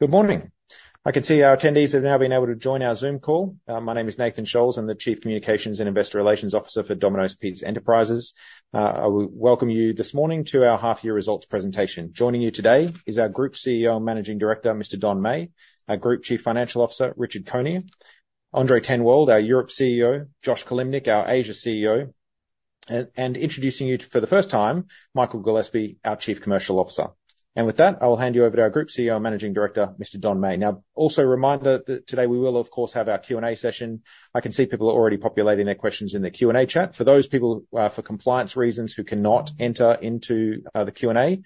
Good morning! I can see our attendees have now been able to join our Zoom call. My name is Nathan Scholz, I'm the Chief Communications and Investor Relations Officer for Domino's Pizza Enterprises. I will welcome you this morning to our half-year results presentation. Joining you today is our Group CEO and Managing Director, Mr. Don Meij, our Group Chief Financial Officer, Richard Coney, Andre ten Wolde, our Europe CEO, Josh Kilimnik, our Asia CEO, and introducing you to, for the first time, Michael Gillespie, our Chief Commercial Officer. With that, I will hand you over to our Group CEO and Managing Director, Mr. Don Meij. Now, also a reminder that today we will, of course, have our Q&A session. I can see people are already populating their questions in the Q&A chat. For those people, for compliance reasons, who cannot enter into the Q&A,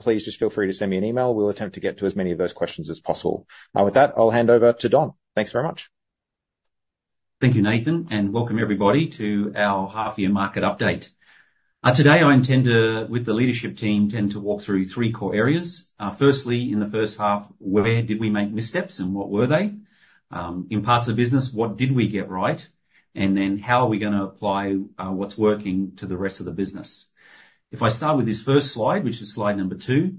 please just feel free to send me an email. We'll attempt to get to as many of those questions as possible. With that, I'll hand over to Don. Thanks very much. Thank you, Nathan, and welcome everybody to our half-year market update. Today I intend to, with the leadership team, tend to walk through three core areas. Firstly, in the first half, where did we make missteps, and what were they? In parts of the business, what did we get right? And then, how are we gonna apply, what's working to the rest of the business? If I start with this first slide, which is slide number two,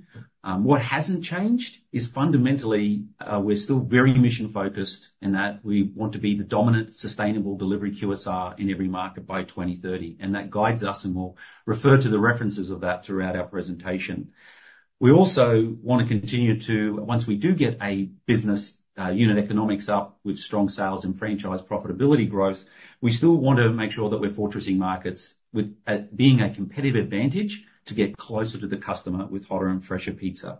what hasn't changed is fundamentally, we're still very mission-focused, in that we want to be the dominant, sustainable delivery QSR in every market by 2030, and that guides us, and we'll refer to the references of that throughout our presentation. We also want to continue to... Once we do get a business unit economics up with strong sales and franchise profitability growth, we still want to make sure that we're fortressing markets with being a competitive advantage to get closer to the customer with hotter and fresher pizza.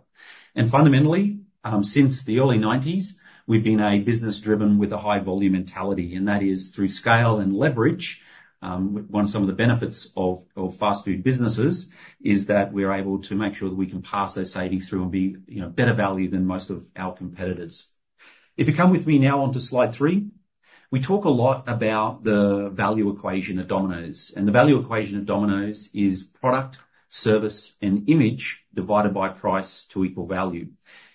And fundamentally, since the early nineties, we've been a business driven with a high volume mentality, and that is through scale and leverage. One of some of the benefits of, of fast food businesses is that we're able to make sure that we can pass those savings through and be, you know, better value than most of our competitors. If you come with me now onto slide three, we talk a lot about the value equation at Domino's, and the value equation at Domino's is product, service, and image, divided by price to equal value.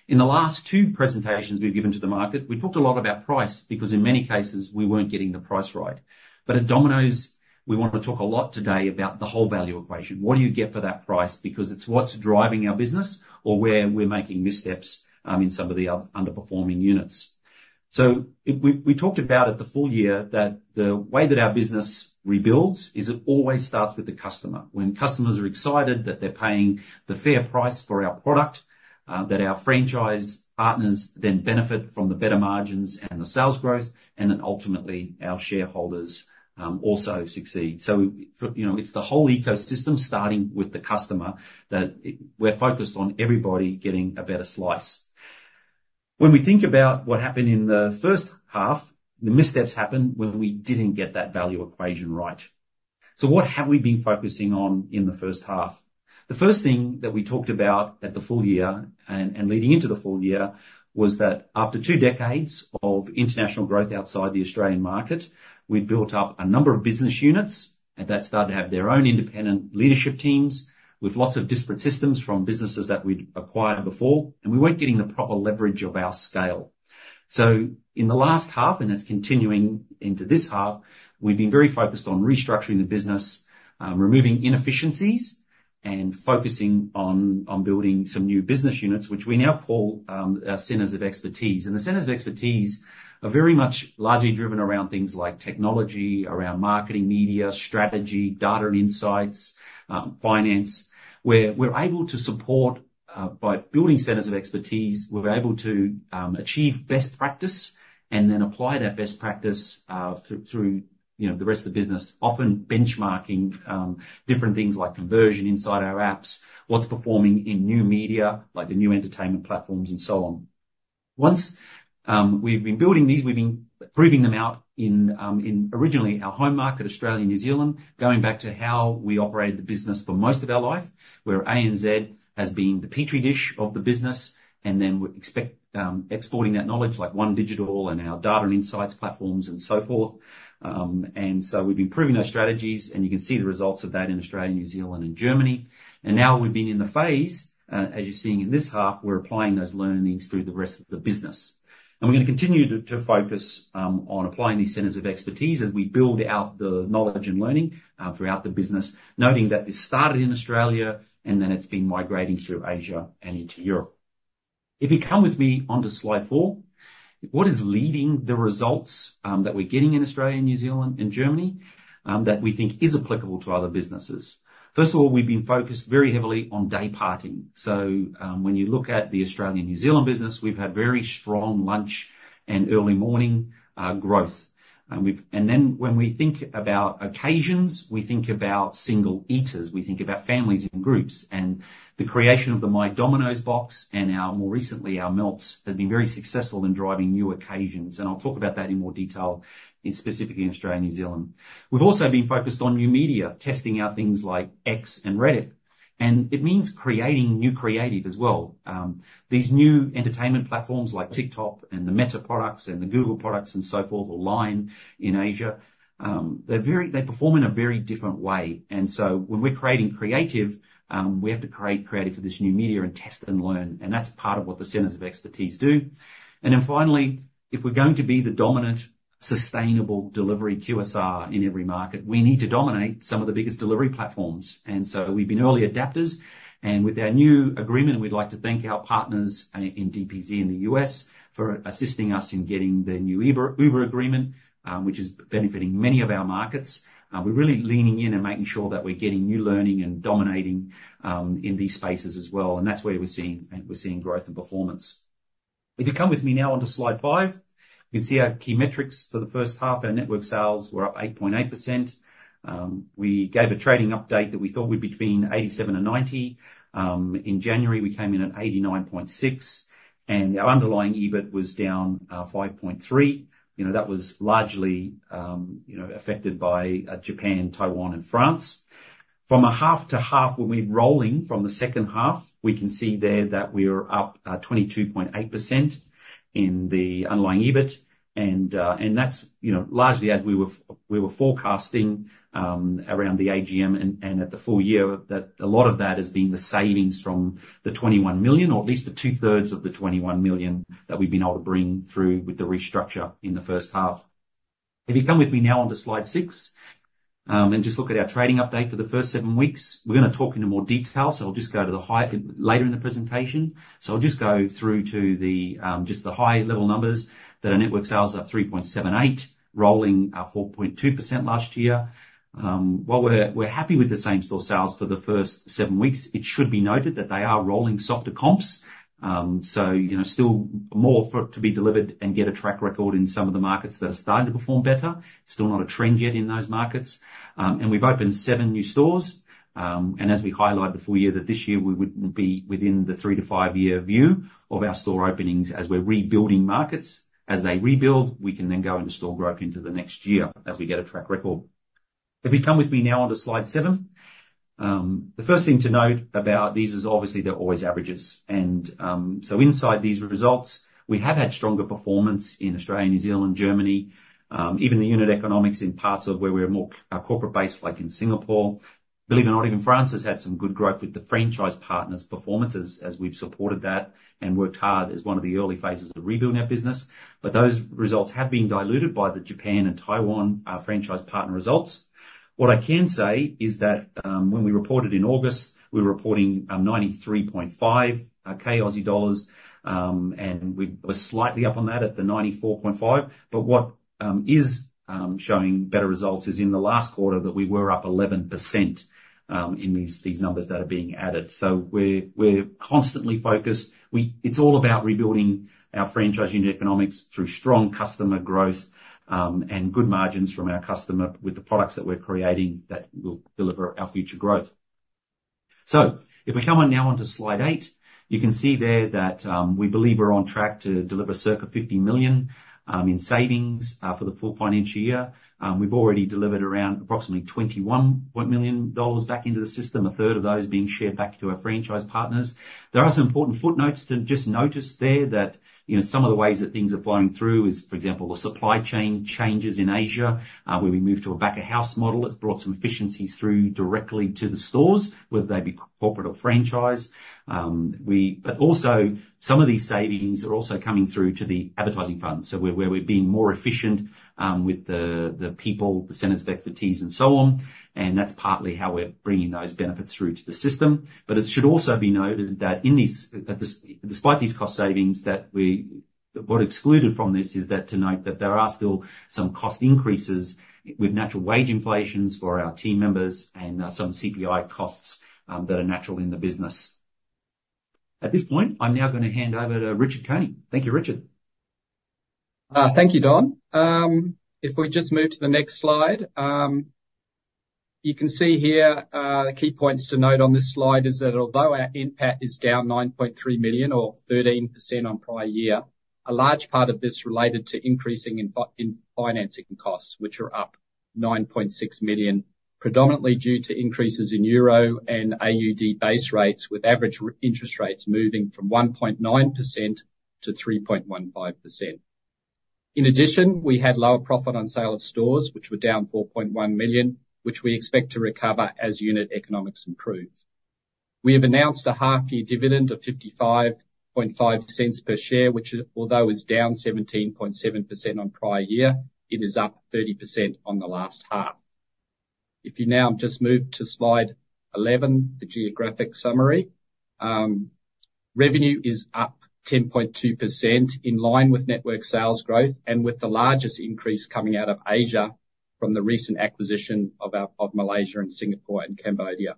In the last two presentations we've given to the market, we talked a lot about price, because in many cases, we weren't getting the price right. But at Domino's, we want to talk a lot today about the whole value equation. What do you get for that price? Because it's what's driving our business, or where we're making missteps in some of the underperforming units. So we talked about at the full year, that the way that our business rebuilds is it always starts with the customer. When customers are excited that they're paying the fair price for our product, that our franchise partners then benefit from the better margins and the sales growth, and then ultimately our shareholders also succeed. You know, it's the whole ecosystem, starting with the customer, that we're focused on everybody getting a better slice. When we think about what happened in the first half, the missteps happened when we didn't get that value equation right. So what have we been focusing on in the first half? The first thing that we talked about at the full year, leading into the full year, was that after two decades of international growth outside the Australian market, we'd built up a number of business units, and that started to have their own independent leadership teams with lots of disparate systems from businesses that we'd acquired before, and we weren't getting the proper leverage of our scale. So in the last half, and it's continuing into this half, we've been very focused on restructuring the business, removing inefficiencies, and focusing on building some new business units, which we now call our Centres of Expertise. The Centers of Expertise are very much largely driven around things like technology, around marketing, media, strategy, data and insights, finance, where we're able to support. By building Centers of Expertise, we're able to achieve best practice and then apply that best practice, through, you know, the rest of the business. Often benchmarking different things like conversion inside our apps, what's performing in new media, like the new entertainment platforms and so on. Once we've been building these, we've been proving them out in in originally our home market, Australia and New Zealand, going back to how we operated the business for most of our life, where ANZ has been the Petri dish of the business, and then we're exporting that knowledge, like One Digital and our data and insights platforms and so forth. And so we've been proving those strategies, and you can see the results of that in Australia, New Zealand, and Germany. And now we've been in the phase, as you're seeing in this half, we're applying those learnings through the rest of the business. And we're gonna continue to, to focus, on applying these Centres of Expertise as we build out the knowledge and learning, throughout the business, noting that this started in Australia, and then it's been migrating through Asia and into Europe. If you come with me onto slide four, what is leading the results, that we're getting in Australia, and New Zealand, and Germany, that we think is applicable to other businesses? First of all, we've been focused very heavily on dayparting. When you look at the Australia-New Zealand business, we've had very strong lunch and early morning growth. And then when we think about occasions, we think about single eaters, we think about families in groups. And the creation of the My Domino's Box, and our, more recently, our Melts, have been very successful in driving new occasions, and I'll talk about that in more detail in specifically Australia and New Zealand. We've also been focused on new media, testing out things like X and Reddit, and it means creating new creative as well. These new entertainment platforms, like TikTok and the Meta products and the Google products and so forth, or Line in Asia, they're very they perform in a very different way. And so when we're creating creative, we have to create creative for this new media and test and learn, and that's part of what the Centers of Expertise do. And then finally, if we're going to be the dominant, sustainable delivery QSR in every market, we need to dominate some of the biggest delivery platforms. And so we've been early adapters, and with our new agreement, we'd like to thank our partners in DPZ in the U.S. for assisting us in getting the new Uber agreement, which is benefiting many of our markets. We're really leaning in and making sure that we're getting new learning and dominating in these spaces as well, and that's where we're seeing growth and performance. If you come with me now onto slide five, you can see our key metrics for the first half. Our network sales were up 8.8%. We gave a trading update that we thought would be between 87 and 90. In January, we came in at 89.6, and our underlying EBIT was down 5.3. You know, that was largely, you know, affected by Japan, Taiwan and France. From a half to half, when we're rolling from the second half, we can see there that we are up 22.8% in the underlying EBIT, and that's, you know, largely as we were forecasting around the AGM and at the full year, that a lot of that has been the savings from the 21 million, or at least the two-thirds of the 21 million that we've been able to bring through with the restructure in the first half. If you come with me now onto Slide six, and just look at our trading update for the first seven weeks. We're gonna talk into more detail, so I'll just go to the high later in the presentation. So I'll just go through to the just the high-level numbers that our network sales are 3.78, rolling at 4.2% last year. While we're, we're happy with the same store sales for the first seven weeks, it should be noted that they are rolling softer comps. So, you know, still more for to be delivered and get a track record in some of the markets that are starting to perform better. Still not a trend yet in those markets. And we've opened seven new stores, and as we highlighted the full year, that this year we would be within the three-fiveyear view of our store openings. As we're rebuilding markets, as they rebuild, we can then go into store growth into the next year as we get a track record. If you come with me now onto slide seven, the first thing to note about these is obviously they're always averages. And so inside these results, we have had stronger performance in Australia, New Zealand, Germany, even the unit economics in parts of where we're more corporate-based, like in Singapore. Believe it or not, even France has had some good growth with the franchise partners' performances as we've supported that and worked hard as one of the early phases of rebuilding our business. But those results have been diluted by the Japan and Taiwan franchise partner results. What I can say is that when we reported in August, we were reporting 93.5K Aussie dollars, and we were slightly up on that at the 94.5K. But what is showing better results is in the last quarter, that we were up 11% in these numbers that are being added. So we're constantly focused. It's all about rebuilding our franchise unit economics through strong customer growth and good margins from our customer with the products that we're creating that will deliver our future growth. So if we come on now onto slide eight, you can see there that we believe we're on track to deliver circa 50 million in savings for the full financial year. We've already delivered around approximately 21 million dollars back into the system, a third of those being shared back to our franchise partners. There are some important footnotes to just notice there that, you know, some of the ways that things are flowing through is, for example, the supply chain changes in Asia, where we moved to a back-of-house model. It's brought some efficiencies through directly to the stores, whether they be corporate or franchise. But also, some of these savings are also coming through to the advertising fund. So where, where we're being more efficient, with the, the people, the Centres of Expertise, and so on, and that's partly how we're bringing those benefits through to the system. But it should also be noted that despite these cost savings, what is excluded from this is to note that there are still some cost increases with natural wage inflations for our team members and some CPI costs that are natural in the business. At this point, I'm now gonna hand over to Richard Coney. Thank you, Richard. Thank you, Don. If we just move to the next slide, you can see here, the key points to note on this slide is that although our NPAT is down 9.3 million or 13% on prior year, a large part of this related to increasing in financing costs, which are up 9.6 million, predominantly due to increases in euro and AUD base rates, with average interest rates moving from 1.9%-3.15%. In addition, we had lower profit on sale of stores, which were down 4.1 million, which we expect to recover as unit economics improve. We have announced a half-year dividend of 0.555 per share, which, although is down 17.7% on prior year, it is up 30% on the last half. If you now just move to Slide 11, the geographic summary. Revenue is up 10.2%, in line with network sales growth, and with the largest increase coming out of Asia from the recent acquisition of Malaysia and Singapore and Cambodia.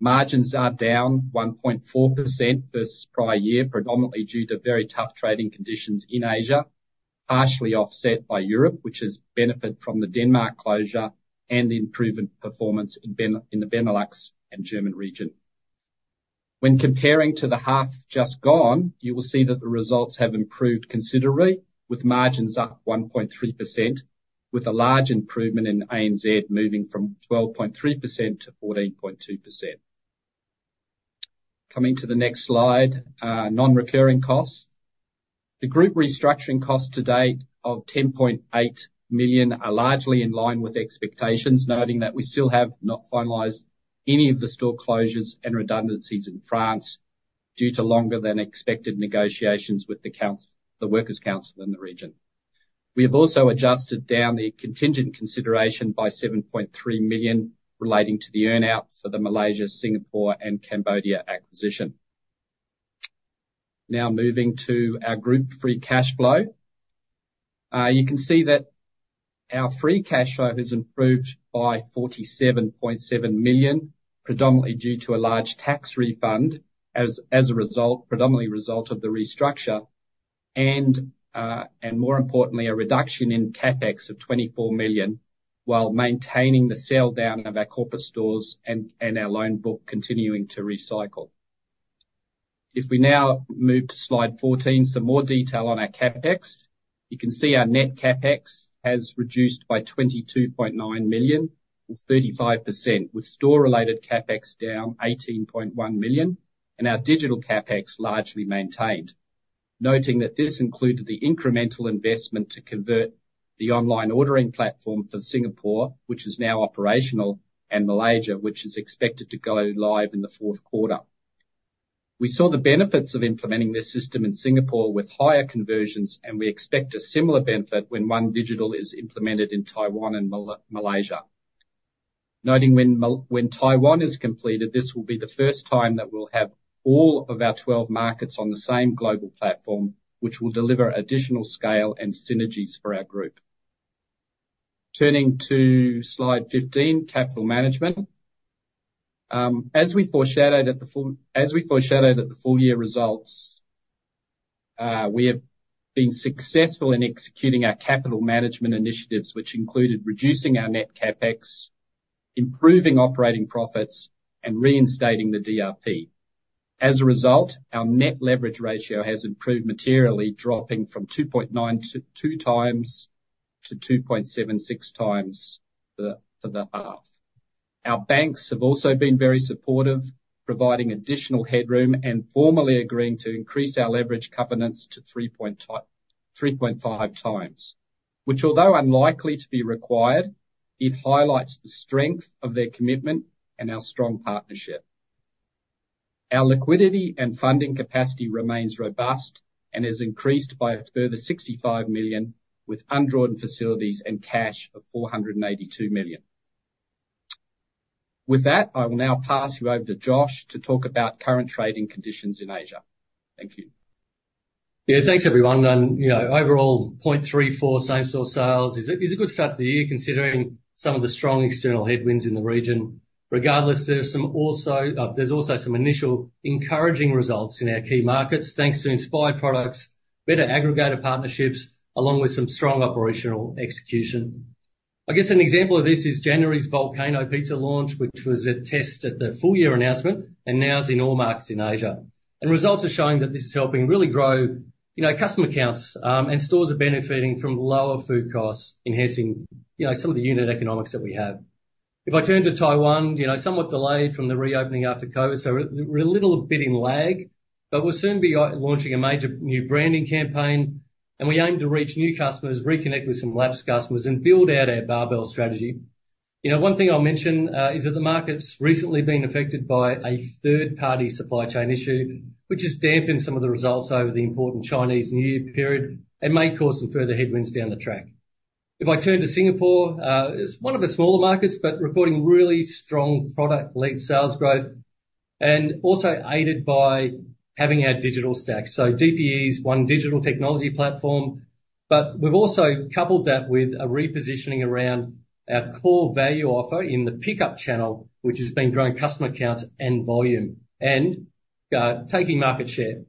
Margins are down 1.4% versus prior year, predominantly due to very tough trading conditions in Asia, partially offset by Europe, which has benefit from the Denmark closure and the improved performance in the Benelux and German region. When comparing to the half just gone, you will see that the results have improved considerably, with margins up 1.3%, with a large improvement in ANZ, moving from 12.3%-14.2%. Coming to the next slide, non-recurring costs. The group restructuring costs to date of 10.8 million are largely in line with expectations, noting that we still have not finalized any of the store closures and redundancies in France due to longer than expected negotiations with the counci- the workers' council in the region. We have also adjusted down the contingent consideration by 7.3 million, relating to the earn-out for the Malaysia, Singapore, and Cambodia acquisition. Now moving to our group free cash flow. You can see that our free cash flow has improved by 47.7 million, predominantly due to a large tax refund. As, as a result, predominantly a result of the restructure and, and more importantly, a reduction in CapEx of 24 million, while maintaining the sell down of our corporate stores and, and our loan book continuing to recycle. If we now move to slide 14, some more detail on our CapEx. You can see our net CapEx has reduced by 22.9 million, or 35%, with store-related CapEx down 18.1 million, and our digital CapEx largely maintained, noting that this included the incremental investment to convert the online ordering platform for Singapore, which is now operational, and Malaysia, which is expected to go live in the fourth quarter. We saw the benefits of implementing this system in Singapore with higher conversions, and we expect a similar benefit when One Digital is implemented in Taiwan and Malaysia. Noting when Malaysia and Taiwan is completed, this will be the first time that we'll have all of our 12 markets on the same global platform, which will deliver additional scale and synergies for our group. Turning to slide 15, capital management. As we foreshadowed at the full year results, we have been successful in executing our capital management initiatives, which included reducing our net CapEx, improving operating profits, and reinstating the DRP. As a result, our net leverage ratio has improved materially, dropping from 2.9x-2x-2.76x for the half. Our banks have also been very supportive, providing additional headroom and formally agreeing to increase our leverage covenants to 3.5x, which although unlikely to be required, it highlights the strength of their commitment and our strong partnership. Our liquidity and funding capacity remains robust and has increased by a further 65 million, with undrawn facilities and cash of 482 million. With that, I will now pass you over to Josh to talk about current trading conditions in Asia. Thank you. Yeah, thanks, everyone. You know, overall, 0.34 same-store sales is a good start to the year, considering some of the strong external headwinds in the region. Regardless, there's also some initial encouraging results in our key markets, thanks to inspired products, better aggregator partnerships, along with some strong operational execution. I guess an example of this is January's Volcano Pizza launch, which was a test at the full year announcement, and now is in all markets in Asia. And results are showing that this is helping really grow, you know, customer counts, and stores are benefiting from lower food costs, enhancing, you know, some of the unit economics that we have. If I turn to Taiwan, you know, somewhat delayed from the reopening after COVID, so we're, we're a little bit in lag, but we'll soon be launching a major new branding campaign, and we aim to reach new customers, reconnect with some lapsed customers, and build out our barbell strategy. You know, one thing I'll mention is that the market's recently been affected by a third-party supply chain issue, which has dampened some of the results over the important Chinese New Year period and may cause some further headwinds down the track. If I turn to Singapore, it's one of the smaller markets, but reporting really strong product-led sales growth, and also aided by having our digital stack. So DPE's One Digital technology platform, but we've also coupled that with a repositioning around our core value offer in the pickup channel, which has been growing customer counts and volume, and taking market share.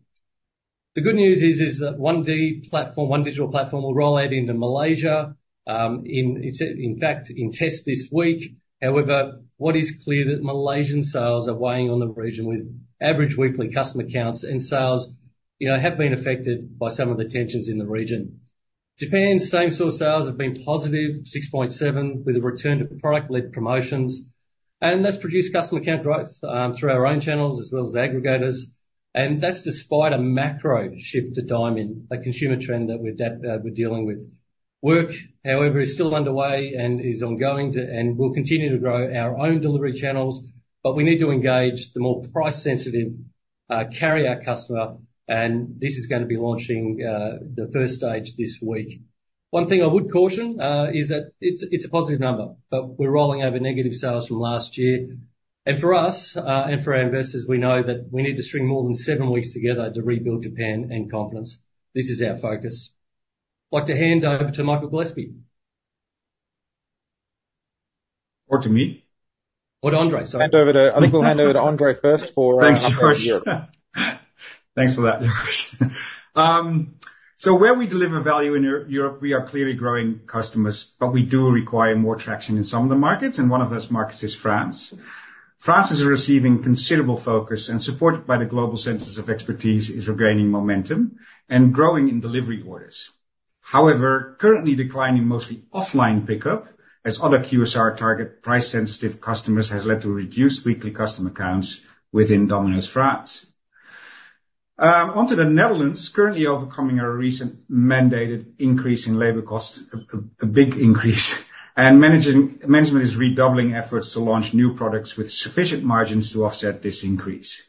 The good news is that 1D platform, One Digital platform, will roll out into Malaysia; in fact, it's in test this week. However, what is clear is that Malaysian sales are weighing on the region, with average weekly customer counts and sales, you know, have been affected by some of the tensions in the region. Japan's same-store sales have been positive 6.7, with a return to product-led promotions, and that's produced customer count growth through our own channels as well as aggregators, and that's despite a macro shift to dining, a consumer trend that we're dealing with. Work, however, is still underway and is ongoing and we'll continue to grow our own delivery channels, but we need to engage the more price-sensitive, carrier customer, and this is gonna be launching, the first stage this week. One thing I would caution is that it's, it's a positive number, but we're rolling over negative sales from last year. And for us, and for our investors, we know that we need to string more than seven weeks together to rebuild Japan and confidence. This is our focus. I'd like to hand over to Michael Gillespie. Or to me? Or Andre, sorry. Hand over to... I think we'll hand over to Andre first for, Thanks, Josh. Thanks for that, Josh. So where we deliver value in Europe, we are clearly growing customers, but we do require more traction in some of the markets, and one of those markets is France. France is receiving considerable focus, and supported by the global Centres of Expertise, is regaining momentum and growing in delivery orders. However, currently declining mostly offline pickup, as other QSR target price-sensitive customers, has led to reduced weekly customer counts within Domino's France. Onto the Netherlands. Currently overcoming a recent mandated increase in labor costs, a big increase, and management is redoubling efforts to launch new products with sufficient margins to offset this increase.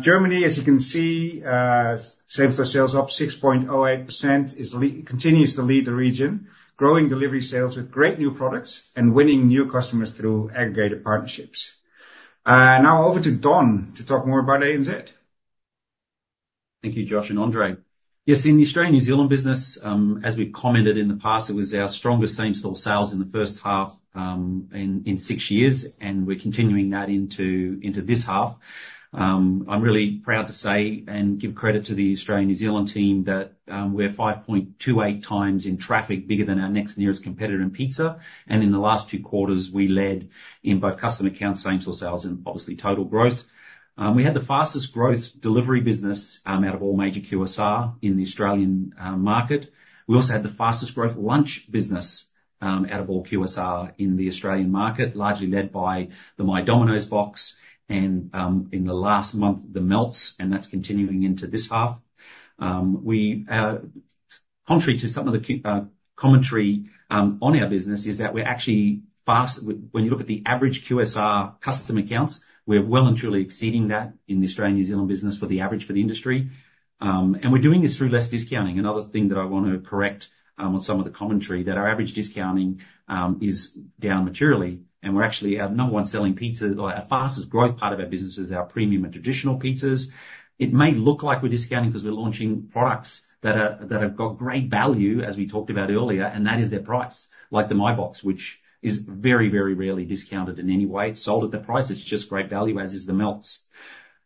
Germany, as you can see, same-store sales up 6.08%, continues to lead the region, growing delivery sales with great new products, and winning new customers through aggregator partnerships. Now over to Don to talk more about ANZ.... Thank you, Josh and Andre. Yes, in the Australian, New Zealand business, as we've commented in the past, it was our strongest same-store sales in the first half, in six years, and we're continuing that into this half. I'm really proud to say, and give credit to the Australian, New Zealand team, that we're 5.28 times in traffic bigger than our next nearest competitor in pizza. And in the last two quarters, we led in both customer count, same-store sales, and obviously, total growth. We had the fastest growth delivery business out of all major QSR in the Australian market. We also had the fastest growth lunch business out of all QSR in the Australian market, largely led by the My Domino's Box and, in the last month, the Melts, and that's continuing into this half. We, contrary to some of the commentary on our business, is that we're actually fast when you look at the average QSR customer accounts, we're well and truly exceeding that in the Australian, New Zealand business for the average for the industry. And we're doing this through less discounting. Another thing that I want to correct on some of the commentary, that our average discounting is down materially, and we're actually our number one selling pizza, or our fastest growth part of our business is our premium and traditional pizzas. It may look like we're discounting, because we're launching products that have got great value, as we talked about earlier, and that is their price, like the My Box, which is very, very rarely discounted in any way. It's sold at the price. It's just great value, as is the Melts.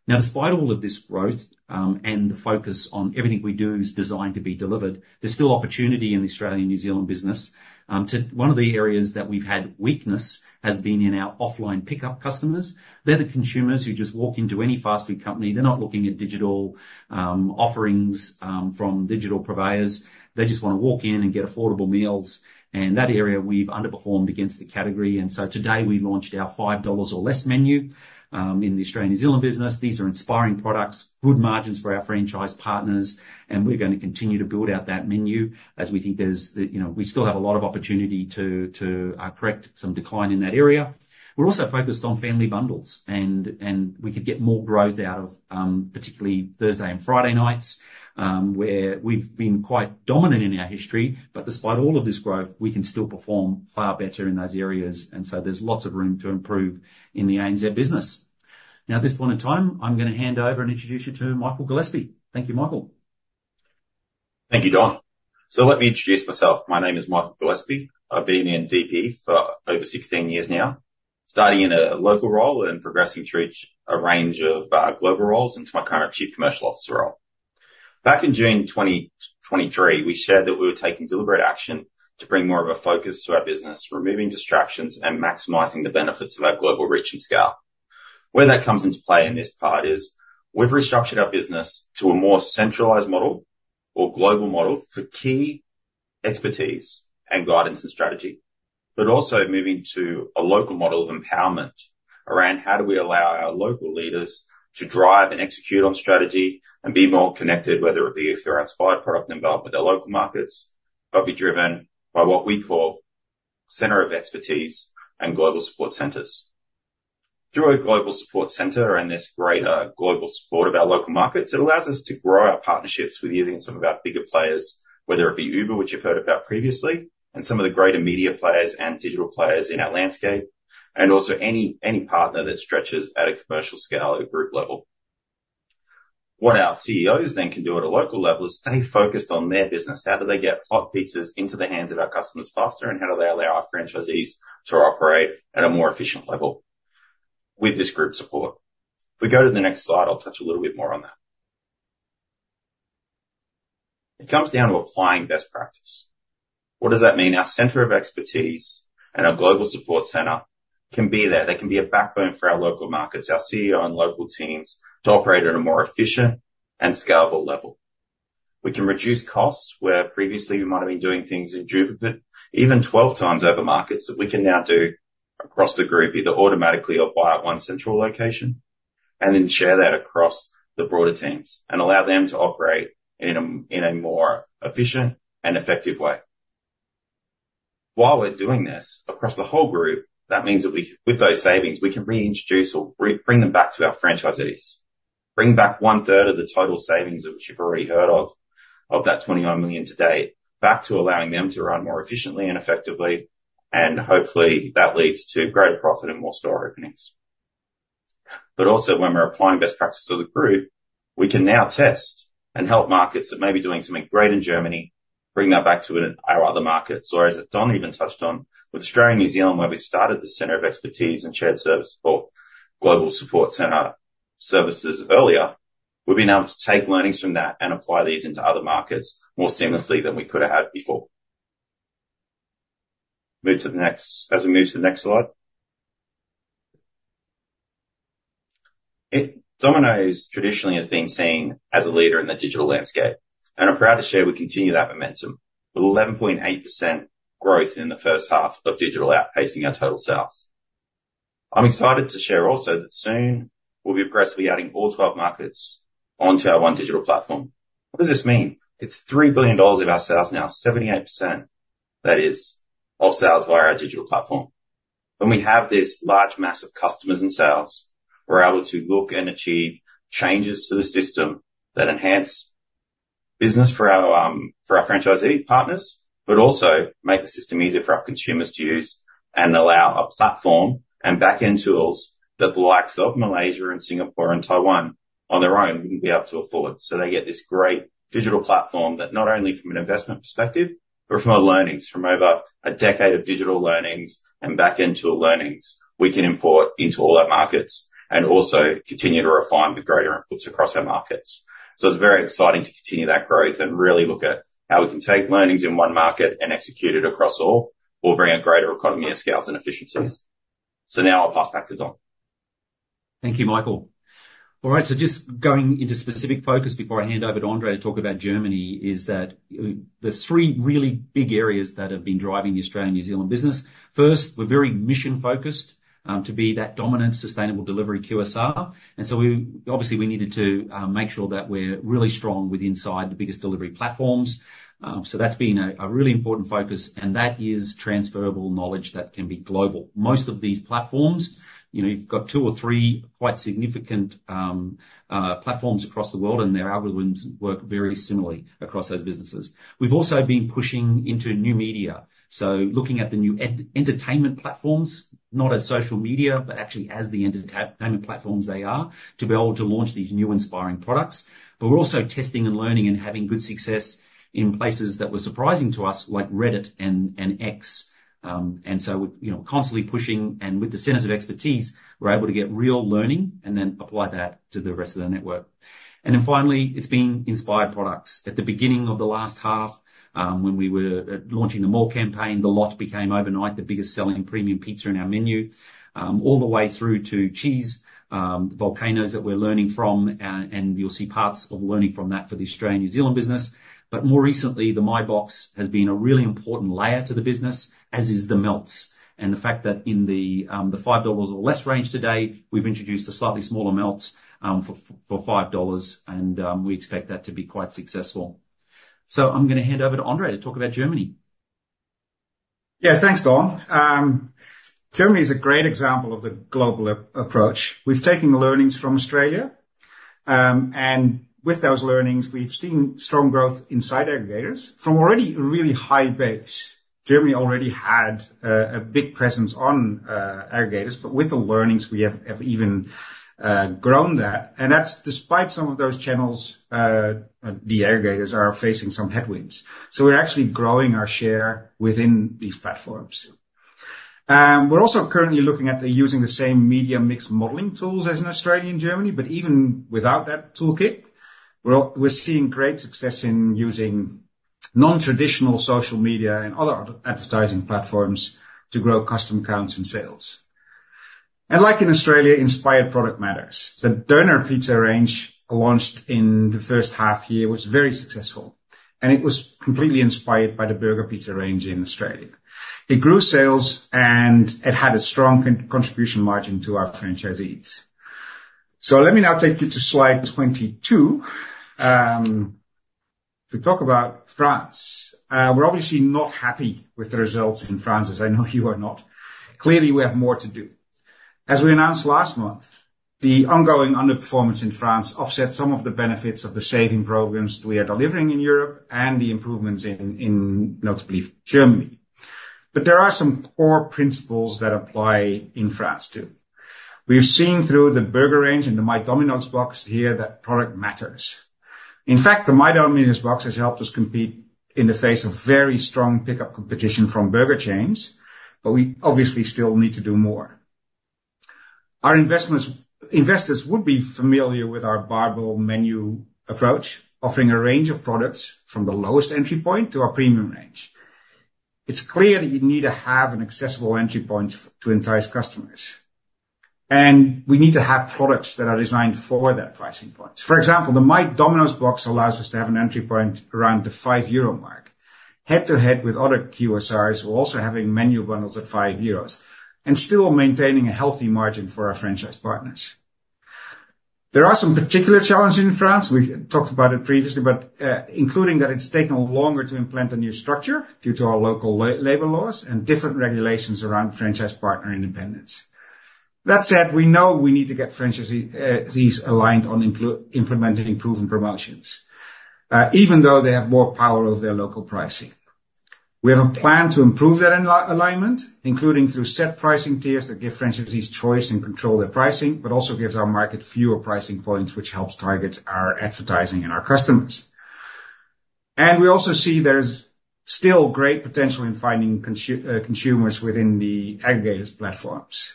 Now, despite all of this growth, and the focus on everything we do is designed to be delivered, there's still opportunity in the Australian, New Zealand business. One of the areas that we've had weakness has been in our offline pickup customers. They're the consumers who just walk into any fast food company. They're not looking at digital offerings from digital providers. They just want to walk in and get affordable meals, and that area we've underperformed against the category. Today, we launched our 5 dollars or less menu in the Australian, New Zealand business. These are inspiring products, good margins for our franchise partners, and we're gonna continue to build out that menu as we think there's, you know, we still have a lot of opportunity to correct some decline in that area. We're also focused on family bundles, and we could get more growth out of, particularly Thursday and Friday nights, where we've been quite dominant in our history. But despite all of this growth, we can still perform far better in those areas, and so there's lots of room to improve in the ANZ business. Now, at this point in time, I'm gonna hand over and introduce you to Michael Gillespie. Thank you, Michael. Thank you, Don. So let me introduce myself. My name is Michael Gillespie. I've been in DP for over 16 years now, starting in a local role and progressing through a range of global roles into my current Chief Commercial Officer role. Back in June 2023, we shared that we were taking deliberate action to bring more of a focus to our business, removing distractions, and maximizing the benefits of our global reach and scale. Where that comes into play in this part is, we've restructured our business to a more centralized model or global model for key expertise and guidance and strategy. But also moving to a local model of empowerment around how do we allow our local leaders to drive and execute on strategy and be more connected, whether it be if they're inspired product development, their local markets, but be driven by what we call Centre of Expertise and Global Support Centers. Through a Global Support Center and this greater global support of our local markets, it allows us to grow our partnerships with even some of our bigger players, whether it be Uber, which you've heard about previously, and some of the greater media players and digital players in our landscape, and also any, any partner that stretches at a commercial scale at group level. What our CEOs then can do at a local level is stay focused on their business. How do they get hot pizzas into the hands of our customers faster? And how do they allow our franchisees to operate at a more efficient level with this group support? If we go to the next slide, I'll touch a little bit more on that. It comes down to applying best practice. What does that mean? Our Centre of Expertise and our Global Support Center can be there. They can be a backbone for our local markets, our CEO and local teams, to operate at a more efficient and scalable level. We can reduce costs where previously we might have been doing things in duplicate, even 12 times over markets, that we can now do across the group, either automatically or via one central location, and then share that across the broader teams and allow them to operate in a more efficient and effective way. While we're doing this across the whole group, that means that we, with those savings, we can reintroduce or re-bring them back to our franchisees. Bring back one third of the total savings, which you've already heard of, of that 21 million to date, back to allowing them to run more efficiently and effectively, and hopefully, that leads to greater profit and more store openings. But also, when we're applying best practice to the group, we can now test and help markets that may be doing something great in Germany, bring that back to it in our other markets, or as Don even touched on, with Australia, New Zealand, where we started the center of expertise and shared service support, global support center services earlier, we've been able to take learnings from that and apply these into other markets more seamlessly than we could have had before. As we move to the next slide. Domino's traditionally has been seen as a leader in the digital landscape, and I'm proud to share we continue that momentum with 11.8% growth in the first half of digital, outpacing our total sales. I'm excited to share also that soon we'll be aggressively adding all 12 markets onto our one digital platform. What does this mean? It's 3 billion dollars of our sales now, 78%, that is, of sales via our digital platform. When we have this large mass of customers and sales, we're able to look and achieve changes to the system that enhance-... business for our, for our franchisee partners, but also make the system easier for our consumers to use and allow a platform and back-end tools that the likes of Malaysia and Singapore and Taiwan on their own wouldn't be able to afford. So they get this great digital platform that not only from an investment perspective, but from our learnings, from over a decade of digital learnings and back-end tool learnings, we can import into all our markets and also continue to refine with greater inputs across our markets. So it's very exciting to continue that growth and really look at how we can take learnings in one market and execute it across all, will bring a greater economy of scales and efficiencies. So now I'll pass back to Don. Thank you, Michael. All right, so just going into specific focus before I hand over to Andre to talk about Germany, is that there's three really big areas that have been driving the Australian, New Zealand business. First, we're very mission-focused to be that dominant, sustainable delivery QSR. And so we obviously we needed to make sure that we're really strong with inside the biggest delivery platforms. So that's been a really important focus, and that is transferable knowledge that can be global. Most of these platforms, you know, you've got two or three quite significant platforms across the world, and their algorithms work very similarly across those businesses. We've also been pushing into new media, so looking at the new e-entertainment platforms, not as social media, but actually as the entertainment platforms they are, to be able to launch these new, inspiring products. But we're also testing and learning and having good success in places that were surprising to us, like Reddit and X. And so, you know, constantly pushing, and with the Centers of Expertise, we're able to get real learning and then apply that to the rest of the network. And then finally, it's been inspired products. At the beginning of the last half, when we were launching the Lot campaign, the Lot became overnight the biggest selling premium pizza on our menu. All the way through to cheese, the Volcanoes that we're learning from, and you'll see parts of learning from that for the Australian, New Zealand business. But more recently, the My Box has been a really important layer to the business, as is the Melts. And the fact that in the 5 dollars or less range today, we've introduced a slightly smaller Melts, for 5 dollars, and we expect that to be quite successful. So I'm gonna hand over to Andre to talk about Germany. Yeah, thanks, Don. Germany is a great example of the global approach. We've taken the learnings from Australia, and with those learnings, we've seen strong growth inside aggregators from already a really high base. Germany already had a big presence on aggregators, but with the learnings, we have even grown that, and that's despite some of those channels, the aggregators are facing some headwinds. So we're actually growing our share within these platforms. We're also currently looking at using the same media mix modelling tools as in Australia and Germany, but even without that toolkit, we're seeing great success in using non-traditional social media and other advertising platforms to grow customer counts and sales. And like in Australia, inspired product matters. The Döner Pizza range, launched in the first half year, was very successful, and it was completely inspired by the Burger Pizza range in Australia. It grew sales, and it had a strong contribution margin to our franchisees. So let me now take you to slide 22 to talk about France. We're obviously not happy with the results in France, as I know you are not. Clearly, we have more to do. As we announced last month, the ongoing underperformance in France offset some of the benefits of the saving programs we are delivering in Europe and the improvements in notably Germany. But there are some core principles that apply in France, too. We've seen through the burger range and the My Domino's Box here, that product matters. In fact, the My Domino's Box has helped us compete in the face of very strong pickup competition from burger chains, but we obviously still need to do more. Our investments, investors would be familiar with our barbell menu approach, offering a range of products from the lowest entry point to our premium range. It's clear that you need to have an accessible entry point to entice customers, and we need to have products that are designed for that pricing point. For example, the My Domino's Box allows us to have an entry point around the 5 euro mark, head-to-head with other QSRs, while also having menu bundles at 5 euros and still maintaining a healthy margin for our franchise partners. There are some particular challenges in France. We've talked about it previously, but including that, it's taken longer to implement a new structure due to our local labor laws and different regulations around franchise partner independence. That said, we know we need to get franchisee fees aligned on implementing proven promotions, even though they have more power over their local pricing. We have a plan to improve that alignment, including through set pricing tiers that give franchisees choice and control their pricing, but also gives our market fewer pricing points, which helps target our advertising and our customers. And we also see there's still great potential in finding consumers within the aggregators' platforms.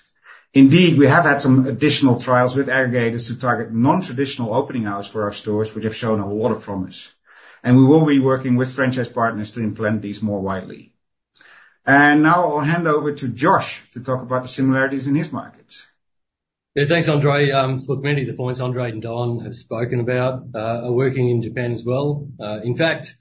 Indeed, we have had some additional trials with aggregators to target non-traditional opening hours for our stores, which have shown a lot of promise, and we will be working with franchise partners to implement these more widely. Now I'll hand over to Josh to talk about the similarities in his markets. Yeah, thanks, Andre. Look, many of the points Andre and Don have spoken about are working in Japan as well. In fact,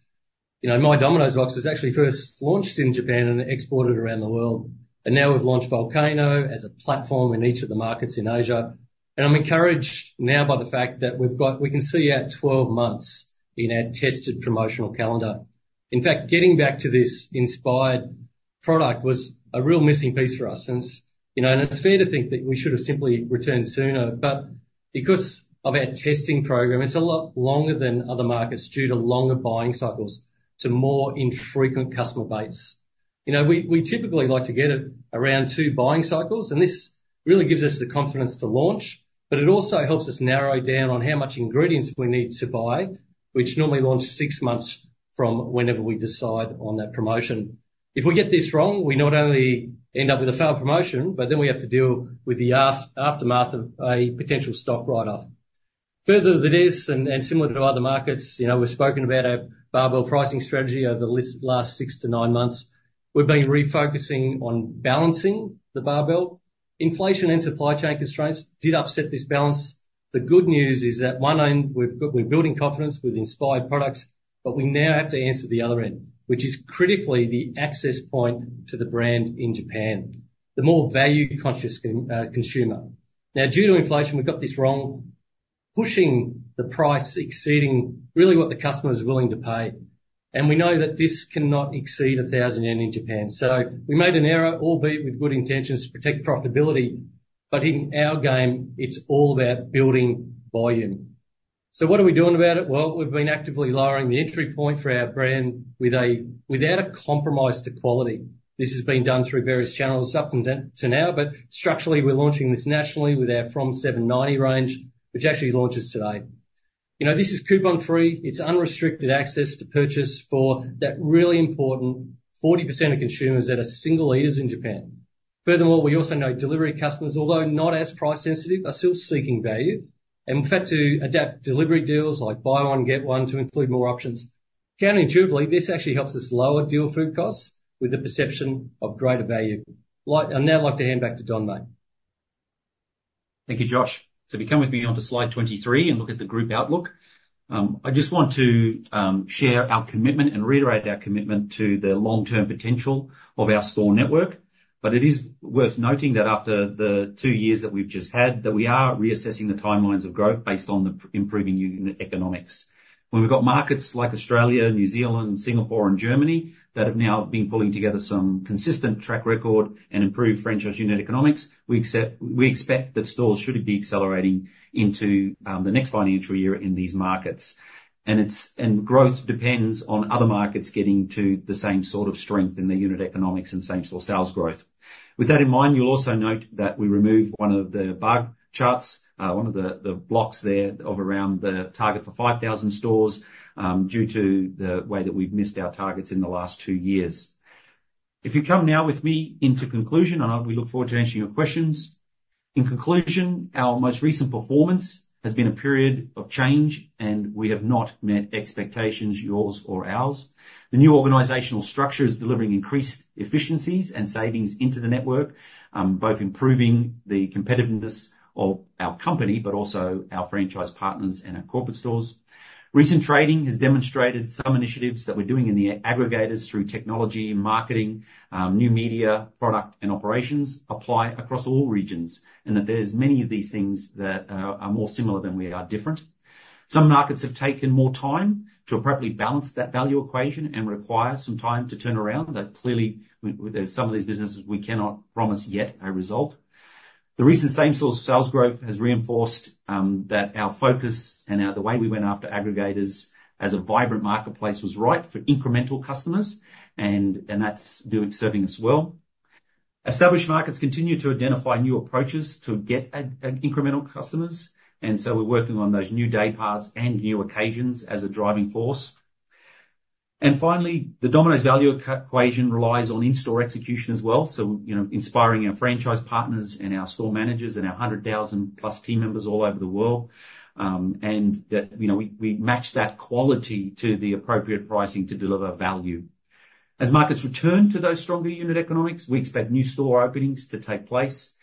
you know, My Domino's Box was actually first launched in Japan and exported around the world, and now we've launched Volcano as a platform in each of the markets in Asia. And I'm encouraged now by the fact that we've got—we can see out 12 months in our tested promotional calendar. In fact, getting back to this inspired- ...product was a real missing piece for us, since, you know, and it's fair to think that we should have simply returned sooner, but because of our testing program, it's a lot longer than other markets due to longer buying cycles, to more infrequent customer base. You know, we typically like to get it around two buying cycles, and this really gives us the confidence to launch, but it also helps us narrow down on how much ingredients we need to buy, which normally launches six months from whenever we decide on that promotion. If we get this wrong, we not only end up with a failed promotion, but then we have to deal with the aftermath of a potential stock write-off. Further to this, and similar to other markets, you know, we've spoken about our barbell pricing strategy over the last six to nine months. We've been refocusing on balancing the barbell. Inflation and supply chain constraints did upset this balance. The good news is that one end, we're building confidence with inspired products, but we now have to answer the other end, which is critically the access point to the brand in Japan, the more value-conscious consumer. Now, due to inflation, we got this wrong, pushing the price, exceeding really what the customer is willing to pay, and we know that this cannot exceed 1,000 yen in Japan. So we made an error, albeit with good intentions, to protect profitability, but in our game, it's all about building volume. So what are we doing about it? Well, we've been actively lowering the entry point for our brand without a compromise to quality. This has been done through various channels up until now, but structurally, we're launching this nationally with our From $7.90 range, which actually launches today. You know, this is coupon-free, it's unrestricted access to purchase for that really important 40% of consumers that are single eaters in Japan. Furthermore, we also know delivery customers, although not as price sensitive, are still seeking value, and we've had to adapt delivery deals like buy one, get one, to include more options. Again, in Japan, this actually helps us lower deal food costs with the perception of greater value. Like, I'd now like to hand back to Don Meij. Thank you, Josh. So if you come with me onto slide 23 and look at the group outlook, I just want to share our commitment and reiterate our commitment to the long-term potential of our store network. But it is worth noting that after the two years that we've just had, that we are reassessing the timelines of growth based on the improving unit economics. When we've got markets like Australia, New Zealand, Singapore, and Germany, that have now been pulling together some consistent track record and improved franchise unit economics, we expect that stores should be accelerating into the next financial year in these markets. And growth depends on other markets getting to the same sort of strength in their unit economics and same-store sales growth. With that in mind, you'll also note that we removed one of the bar charts, one of the blocks there of around the target for 5,000 stores, due to the way that we've missed our targets in the last two years. If you come now with me into conclusion, and I, we look forward to answering your questions. In conclusion, our most recent performance has been a period of change, and we have not met expectations, yours or ours. The new organizational structure is delivering increased efficiencies and savings into the network, both improving the competitiveness of our company, but also our franchise partners and our corporate stores. Recent trading has demonstrated some initiatives that we're doing in the aggregators through technology, marketing, new media, product, and operations apply across all regions, and that there's many of these things that are more similar than we are different. Some markets have taken more time to appropriately balance that value equation and require some time to turn around. That clearly there are some of these businesses we cannot promise yet a result. The recent same-store sales growth has reinforced that our focus and our, the way we went after aggregators as a vibrant marketplace was right for incremental customers, and that's doing serving us well. Established markets continue to identify new approaches to get an incremental customers, and so we're working on those new day parts and new occasions as a driving force. Finally, the Domino's value equation relies on in-store execution as well, so, you know, inspiring our franchise partners, and our store managers, and our 100,000-plus team members all over the world, and that, you know, we, we match that quality to the appropriate pricing to deliver value. As markets return to those stronger unit economics, we expect new store openings to take place.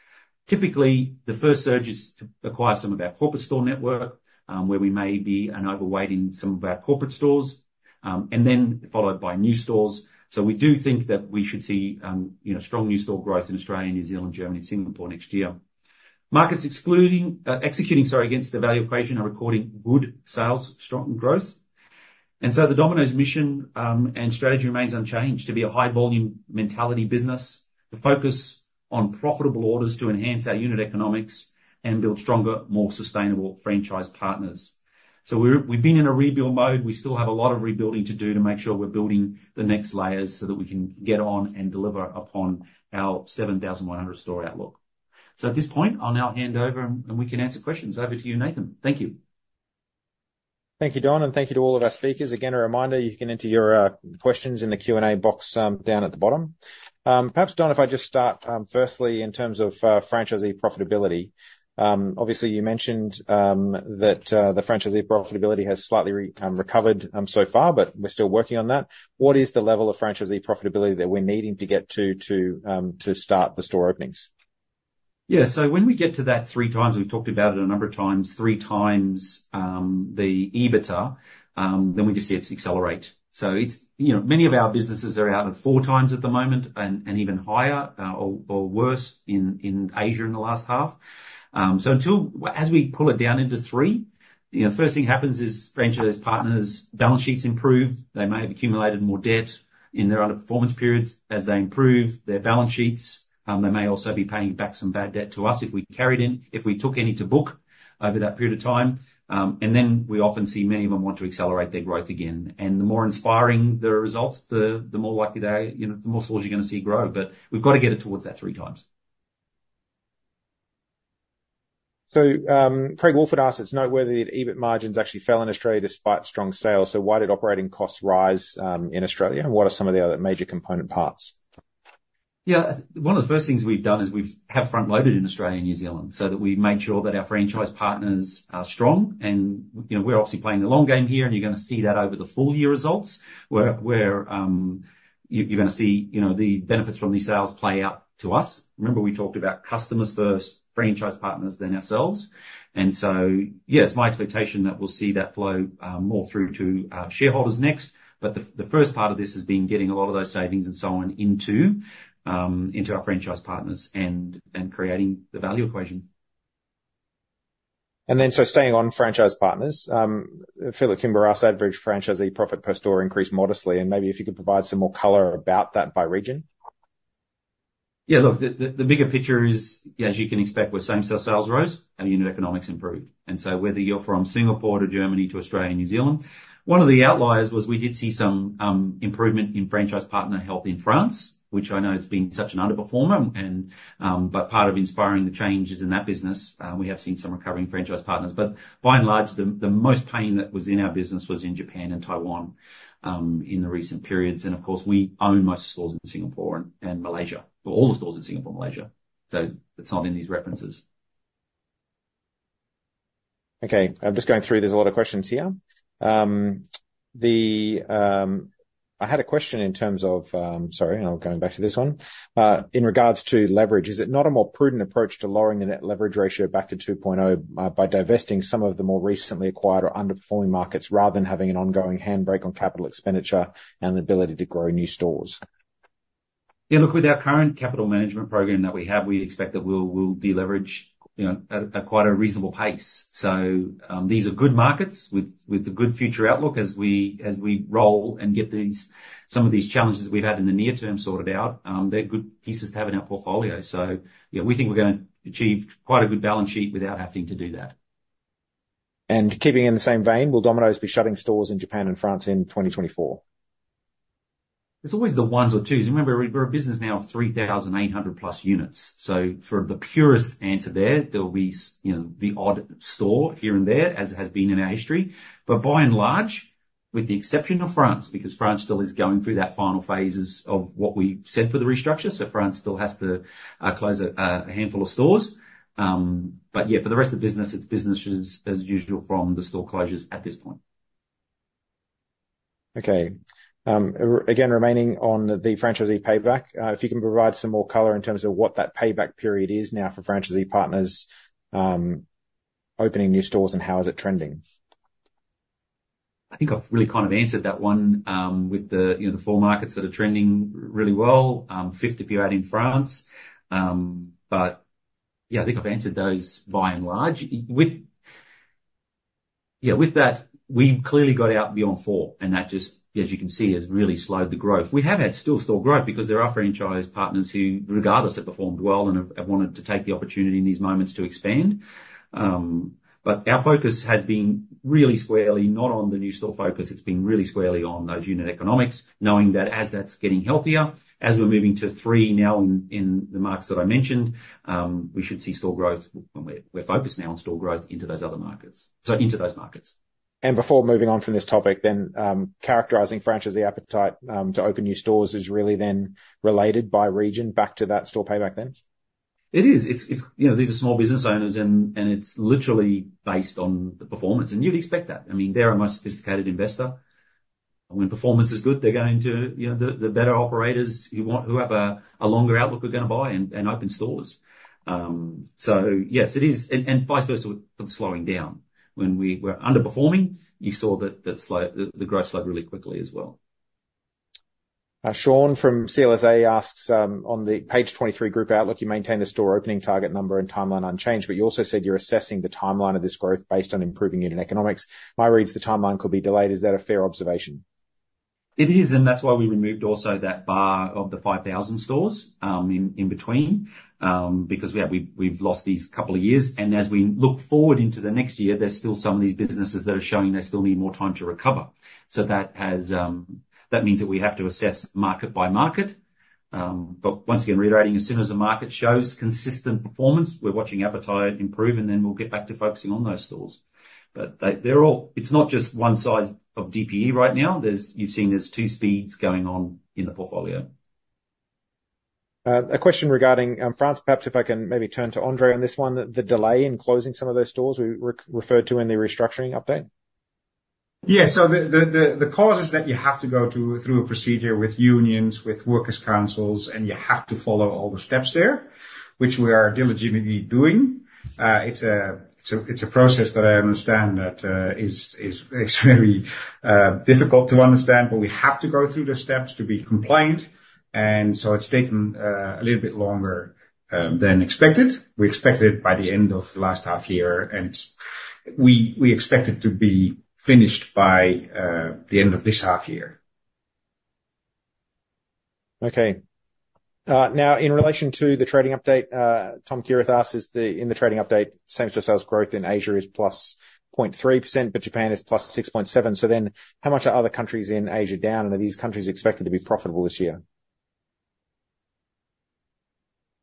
Typically, the first surge is to acquire some of our corporate store network, where we may be an overweight in some of our corporate stores, and then followed by new stores. We do think that we should see, you know, strong new store growth in Australia, New Zealand, Germany, and Singapore next year. Markets executing against the value equation are recording good sales, strong growth. And so the Domino's mission and strategy remains unchanged, to be a high volume mentality business, to focus on profitable orders to enhance our unit economics, and build stronger, more sustainable franchise partners. So we've been in a rebuild mode. We still have a lot of rebuilding to do to make sure we're building the next layers, so that we can get on and deliver upon our 7,100 store outlook. So at this point, I'll now hand over, and we can answer questions. Over to you, Nathan. Thank you. Thank you, Don, and thank you to all of our speakers. Again, a reminder, you can enter your questions in the Q&A box down at the bottom. Perhaps, Don, if I just start, firstly, in terms of franchisee profitability, obviously you mentioned that the franchisee profitability has slightly recovered so far, but we're still working on that. What is the level of franchisee profitability that we're needing to get to to start the store openings?... Yeah, so when we get to that three times, we've talked about it a number of times, three times, the EBITDA, then we just see it accelerate. So it's, you know, many of our businesses are out at four times at the moment, and, and even higher, or worse in Asia in the last half. So until, as we pull it down into three, you know, first thing happens is franchise partners' balance sheets improve. They may have accumulated more debt in their underperformance periods. As they improve their balance sheets, they may also be paying back some bad debt to us if we carried any-- if we took any to book over that period of time. And then we often see many of them want to accelerate their growth again. The more inspiring the results, the more likely they are, you know, the more stores you're gonna see grow. But we've got to get it towards that three times. So, Craig Woolford asks, "It's noteworthy that EBIT margins actually fell in Australia despite strong sales. So why did operating costs rise in Australia, and what are some of the other major component parts? Yeah, one of the first things we've done is we've have front-loaded in Australia and New Zealand, so that we make sure that our franchise partners are strong. And, you know, we're obviously playing the long game here, and you're gonna see that over the full year results, where, where, you, you're gonna see, you know, the benefits from these sales play out to us. Remember, we talked about customers first, franchise partners, then ourselves. And so, yeah, it's my expectation that we'll see that flow, more through to our shareholders next. But the first part of this has been getting a lot of those savings and so on into, into our franchise partners and, and creating the value equation. And then, so staying on franchise partners, Phillip Kimber asked, "Average franchisee profit per store increased modestly," and maybe if you could provide some more color about that by region? Yeah, look, the bigger picture is, as you can expect, where same store sales rose and unit economics improved. And so whether you're from Singapore to Germany to Australia, New Zealand, one of the outliers was we did see some improvement in franchise partner health in France, which I know has been such an underperformer, and... But part of inspiring the changes in that business, we have seen some recovering franchise partners. But by and large, the most pain that was in our business was in Japan and Taiwan, in the recent periods. And of course, we own most stores in Singapore and Malaysia, or all the stores in Singapore and Malaysia, so it's not in these references. Okay, I'm just going through, there's a lot of questions here. The, I had a question in terms of... Sorry, I'm going back to this one. In regards to leverage, is it not a more prudent approach to lowering the Net Leverage Ratio back to 2.0, by divesting some of the more recently acquired or underperforming markets, rather than having an ongoing handbrake on capital expenditure and the ability to grow new stores? Yeah, look, with our current capital management program that we have, we expect that we'll deleverage, you know, at quite a reasonable pace. So, these are good markets with a good future outlook as we roll and get these, some of these challenges we've had in the near term sorted out, they're good pieces to have in our portfolio. So yeah, we think we're gonna achieve quite a good balance sheet without having to do that. Keeping in the same vein, will Domino's be shutting stores in Japan and France in 2024? It's always the ones or twos. Remember, we're a business now of 3,800+ units, so for the purest answer there, there'll be you know, the odd store here and there, as has been in our history. But by and large, with the exception of France, because France still is going through that final phases of what we've said for the restructure, so France still has to close a handful of stores. But yeah, for the rest of the business, it's business as usual from the store closures at this point. Okay. Again, remaining on the franchisee payback, if you can provide some more color in terms of what that payback period is now for franchisee partners opening new stores, and how is it trending? I think I've really kind of answered that one, with the, you know, the four markets that are trending really well, fifth, if you add in France. But yeah, I think I've answered those by and large. With yeah, with that, we clearly got out beyond four, and that just, as you can see, has really slowed the growth. We have had still store growth because there are franchise partners who, regardless, have performed well and have, have wanted to take the opportunity in these moments to expand. But our focus has been really squarely not on the new store focus, it's been really squarely on those unit economics, knowing that as that's getting healthier, as we're moving to three now in the markets that I mentioned, we should see store growth, and we're focused now on store growth into those other markets. So into those markets. Before moving on from this topic, then, characterizing franchisee appetite to open new stores is really then related by region back to that store payback, then? It is. It's, you know, these are small business owners and it's literally based on the performance, and you'd expect that. I mean, they're a more sophisticated investor, and when performance is good, they're going to... You know, the better operators you want, who have a longer outlook, are gonna buy and open stores. So yes, it is, and vice versa with the slowing down. When we were underperforming, you saw that slide, the growth slide really quickly as well. Sean from CLSA asks, "On the page 23 group outlook, you maintained the store opening target number and timeline unchanged, but you also said you're assessing the timeline of this growth based on improving unit economics. My read is the timeline could be delayed. Is that a fair observation? It is, and that's why we removed also that bar of the 5,000 stores, in between, because, yeah, we've lost these couple of years. As we look forward into the next year, there's still some of these businesses that are showing they still need more time to recover. So that has, that means that we have to assess market by market. But once again, reiterating, as soon as the market shows consistent performance, we're watching appetite improve, and then we'll get back to focusing on those stores. But they, they're all—It's not just one size of DPE right now. There's, you've seen there's two speeds going on in the portfolio. A question regarding France. Perhaps if I can maybe turn to Andre on this one, the delay in closing some of those stores we referred to in the restructuring update?... Yeah, so the cause is that you have to go through a procedure with unions, with workers' councils, and you have to follow all the steps there, which we are diligently doing. It's a process that I understand is very difficult to understand, but we have to go through the steps to be compliant, and so it's taken a little bit longer than expected. We expected it by the end of the last half year, and we expect it to be finished by the end of this half year. Okay. Now, in relation to the trading update, Tom Kierath asks, "In the trading update, same-store sales growth in Asia is +0.3%, but Japan is +6.7%. So then, how much are other countries in Asia down, and are these countries expected to be profitable this year?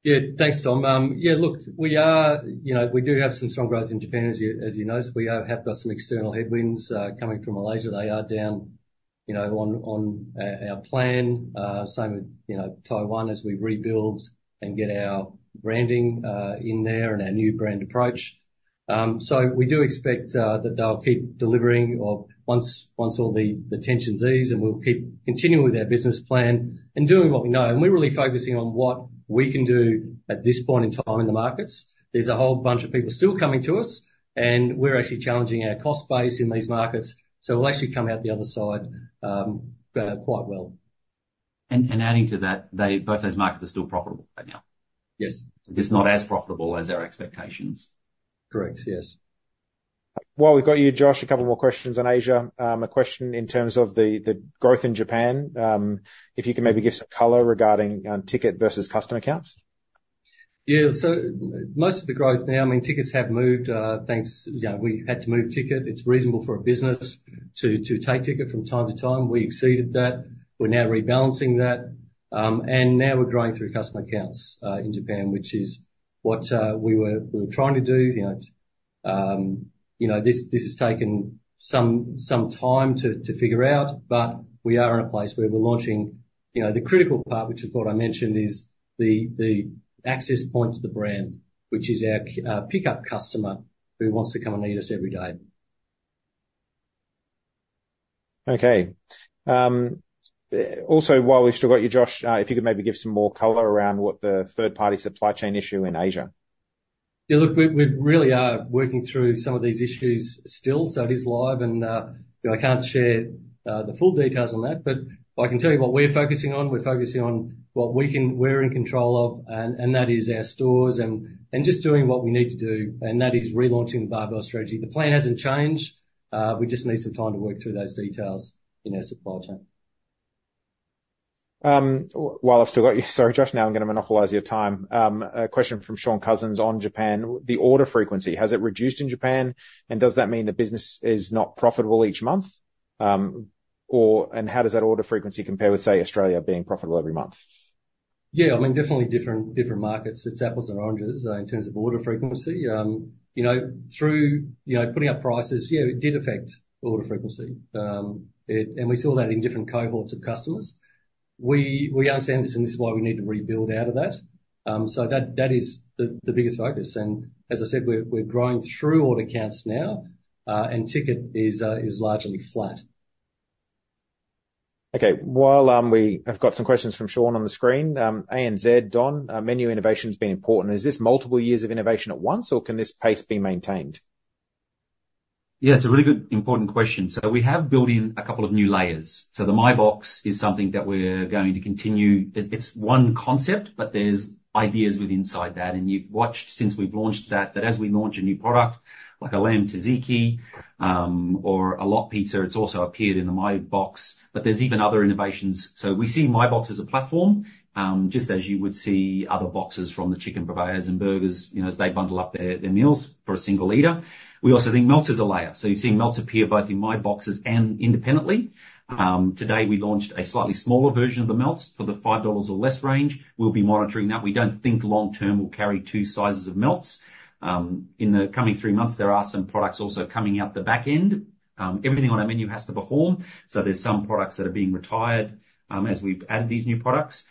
Yeah. Thanks, Tom. Yeah, look, we are, you know, we do have some strong growth in Japan, as you noticed. We have got some external headwinds coming from Malaysia. They are down, you know, on our plan. Same with, you know, Taiwan, as we rebuild and get our branding in there and our new brand approach. So we do expect that they'll keep delivering once all the tensions ease, and we'll keep continuing with our business plan and doing what we know. And we're really focusing on what we can do at this point in time in the markets. There's a whole bunch of people still coming to us, and we're actually challenging our cost base in these markets, so we'll actually come out the other side quite well. And adding to that, they... Both those markets are still profitable right now? Yes. Just not as profitable as our expectations. Correct, yes. While we've got you, Josh, a couple more questions on Asia. A question in terms of the growth in Japan, if you could maybe give some color regarding ticket versus customer accounts? Yeah. So most of the growth now, I mean, tickets have moved, thanks. You know, we had to move ticket. It's reasonable for a business to take ticket from time to time. We exceeded that. We're now rebalancing that, and now we're growing through customer accounts in Japan, which is what we were trying to do. You know, this has taken some time to figure out, but we are in a place where we're launching. You know, the critical part, which is what I mentioned, is the access point to the brand, which is our pickup customer who wants to come and eat us every day. Okay. Also, while we've still got you, Josh, if you could maybe give some more color around what the third-party supply chain issue in Asia? Yeah, look, we really are working through some of these issues still, so it is live, and you know, I can't share the full details on that. But I can tell you what we're focusing on. We're focusing on what we can control of, and that is our stores and just doing what we need to do, and that is relaunching the Barbell Strategy. The plan hasn't changed, we just need some time to work through those details in our supply chain. While I've still got you, sorry, Josh, now I'm gonna monopolize your time. A question from Sean Cousins on Japan. The order frequency, has it reduced in Japan, and does that mean the business is not profitable each month? Or how does that order frequency compare with, say, Australia being profitable every month? Yeah, I mean, definitely different, different markets. It's apples and oranges in terms of order frequency. You know, through putting up prices, yeah, it did affect order frequency. It and we saw that in different cohorts of customers. We understand this, and this is why we need to rebuild out of that. So that is the biggest focus. And as I said, we're growing through order counts now, and ticket is largely flat. Okay. While we have got some questions from Sean on the screen, ANZ, Don, menu innovation's been important. Is this multiple years of innovation at once, or can this pace be maintained? Yeah, it's a really good, important question. So we have built in a couple of new layers. So the My Box is something that we're going to continue. It, it's one concept, but there's ideas with inside that. And you've watched since we've launched that, that as we launch a new product, like a Lamb Tzatziki, or a Lot Pizza, it's also appeared in the My Box, but there's even other innovations. So we see My Box as a platform, just as you would see other boxes from the chicken providers and burgers, you know, as they bundle up their, their meals for a single eater. We also think Melts is a layer, so you're seeing Melts appear both in My Boxes and independently. Today, we launched a slightly smaller version of the Melts for the 5 dollars or less range. We'll be monitoring that. We don't think long term we'll carry two sizes of melts. In the coming three months, there are some products also coming out the back end. Everything on our menu has to perform, so there's some products that are being retired, as we've added these new products.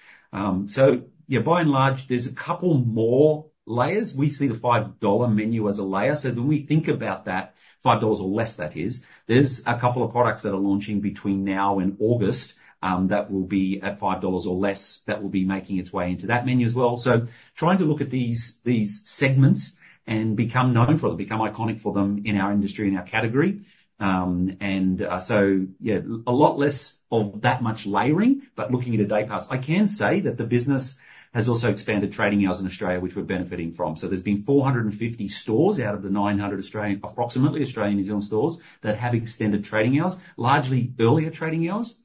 So yeah, by and large, there's a couple more layers. We see the 5-dollar menu as a layer. So when we think about that, 5 dollars or less, that is, there's a couple of products that are launching between now and August, that will be at 5 dollars or less, that will be making its way into that menu as well. So trying to look at these, these segments and become known for them, become iconic for them in our industry and our category. So yeah, a lot less of that much layering, but looking at a daypart. I can say that the business has also expanded trading hours in Australia, which we're benefiting from. So there's been 450 stores out of the 900 Australian, approximately Australian/New Zealand stores, that have extended trading hours, largely earlier trading hours,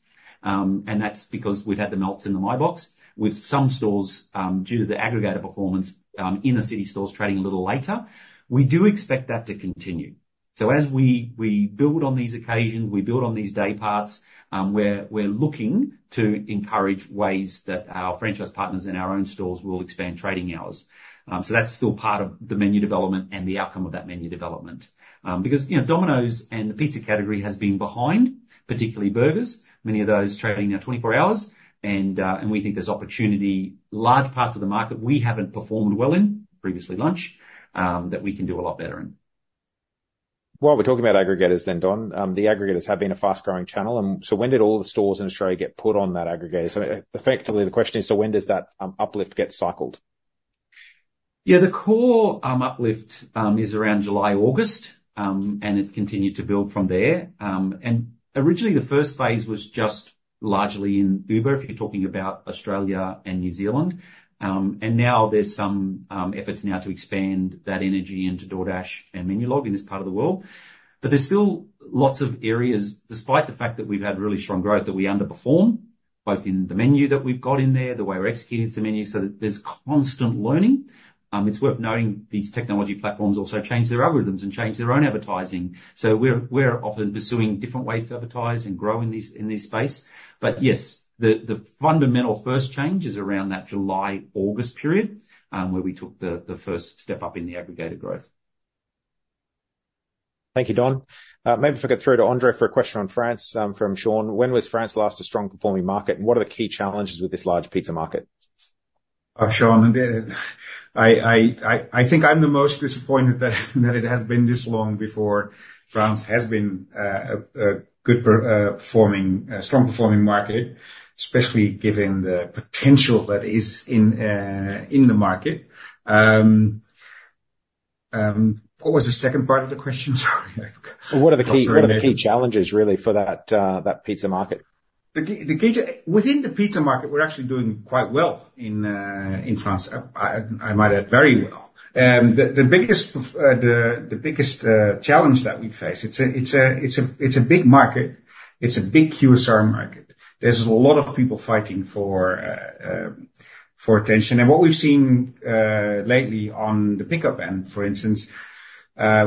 and that's because we've had the Melts in the My Box, with some stores, due to the aggregator performance, in the city stores trading a little later. We do expect that to continue. So as we, we build on these occasions, we build on these day parts, we're, we're looking to encourage ways that our franchise partners and our own stores will expand trading hours. So that's still part of the menu development and the outcome of that menu development. Because, you know, Domino's and the pizza category has been behind, particularly burgers, many of those trading now 24 hours. And, and we think there's opportunity, large parts of the market we haven't performed well in, previously lunch, that we can do a lot better in. While we're talking about aggregators then, Don, the aggregators have been a fast-growing channel, and so when did all the stores in Australia get put on that aggregator? So effectively, the question is: so when does that uplift get cycled? Yeah, the core, uplift, is around July, August, and it continued to build from there. And originally, the first phase was just largely in Uber, if you're talking about Australia and New Zealand. And now there's some efforts now to expand that energy into DoorDash and Menulog in this part of the world. But there's still lots of areas, despite the fact that we've had really strong growth, that we underperform, both in the menu that we've got in there, the way we're executing the menu, so there's constant learning. It's worth noting these technology platforms also change their algorithms and change their own advertising. So we're often pursuing different ways to advertise and grow in this space. But yes, the fundamental first change is around that July-August period, where we took the first step up in the aggregator growth. Thank you, Don. Maybe if I could throw to Andre for a question on France, from Sean. When was France last a strong-performing market, and what are the key challenges with this large pizza market? Sean, I think I'm the most disappointed that it has been this long before France has been a good performing, a strong-performing market, especially given the potential that is in the market. What was the second part of the question? Sorry, I forgot. What are the key- Sorry. What are the key challenges really for that pizza market? Within the pizza market, we're actually doing quite well in France. I might add, very well. The biggest challenge that we face, it's a big market. It's a big QSR market. There's a lot of people fighting for attention. And what we've seen lately on the pickup end, for instance,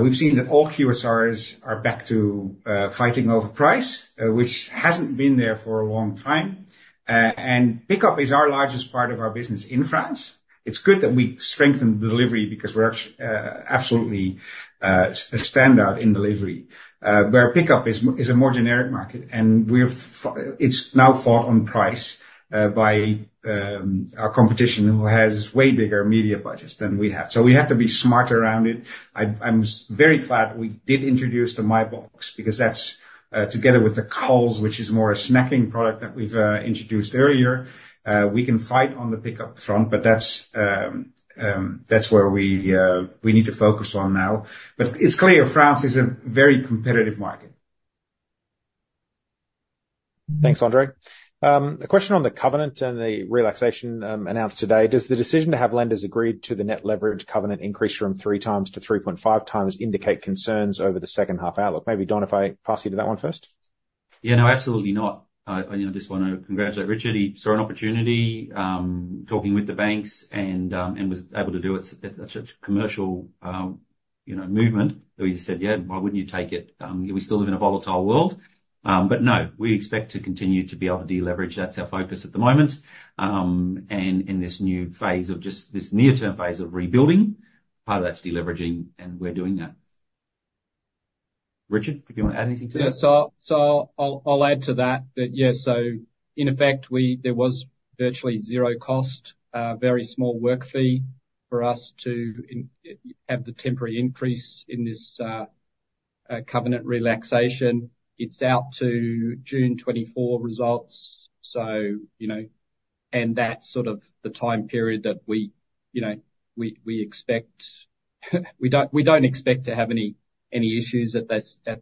we've seen that all QSRs are back to fighting over price, which hasn't been there for a long time. And pickup is our largest part of our business in France. It's good that we strengthened delivery, because we're absolutely a standout in delivery. Where pickup is a more generic market, and it's now fought on price by our competition, who has way bigger media budgets than we have. So we have to be smart around it. I'm very glad we did introduce the My Box, because that's together with the Coles, which is more a snacking product that we've introduced earlier, we can fight on the pickup front, but that's where we need to focus on now. But it's clear France is a very competitive market. Thanks, Andre. A question on the covenant and the relaxation, announced today. Does the decision to have lenders agreed to the net leverage covenant increase from three times-3.5 times indicate concerns over the second half outlook? Maybe Don, if I pass you to that one first. Yeah, no, absolutely not. I, you know, just wanna congratulate Richard. He saw an opportunity, talking with the banks and, and was able to do it. It's such a commercial, you know, movement that we just said, "Yeah, why wouldn't you take it?" We still live in a volatile world, but no, we expect to continue to be able to deleverage. That's our focus at the moment. And in this new phase of just, this near-term phase of rebuilding, part of that's deleveraging, and we're doing that. Richard, if you wanna add anything to that? Yeah. So I'll add to that, yeah, so in effect, we—there was virtually zero cost, very small work fee for us to have the temporary increase in this covenant relaxation. It's out to June 2024 results. So, you know, and that's sort of the time period that we, you know, we expect. We don't expect to have any issues at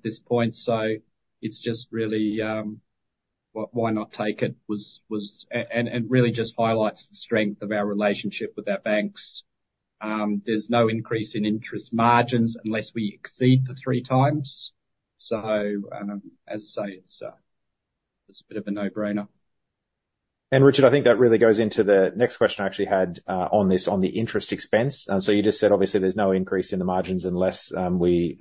this point, so it's just really, well, why not take it? And it really just highlights the strength of our relationship with our banks. There's no increase in interest margins unless we exceed the three times. So, as I say, it's a bit of a no-brainer. Richard, I think that really goes into the next question I actually had on this, on the interest expense. So you just said obviously there's no increase in the margins unless we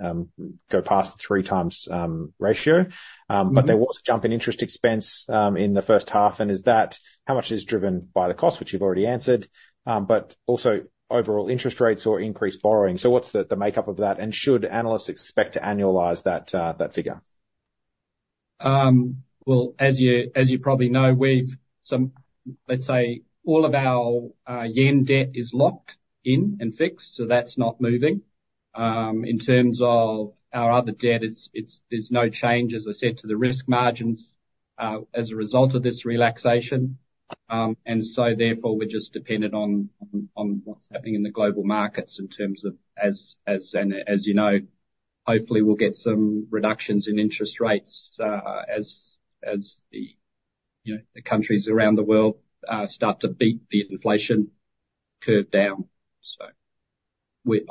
go past the 3x ratio. Mm-hmm. But there was a jump in interest expense, in the first half, and is that, how much is driven by the cost, which you've already answered, but also overall interest rates or increased borrowing? So what's the, the makeup of that, and should analysts expect to annualize that, that figure? Well, as you probably know, we've, let's say all of our yen debt is locked in and fixed, so that's not moving. In terms of our other debt, it's, there's no change, as I said, to the risk margins, as a result of this relaxation. And so therefore, we're just dependent on what's happening in the global markets in terms of as, and as you know, hopefully we'll get some reductions in interest rates, as the, you know, the countries around the world, start to beat the inflation curve down. So,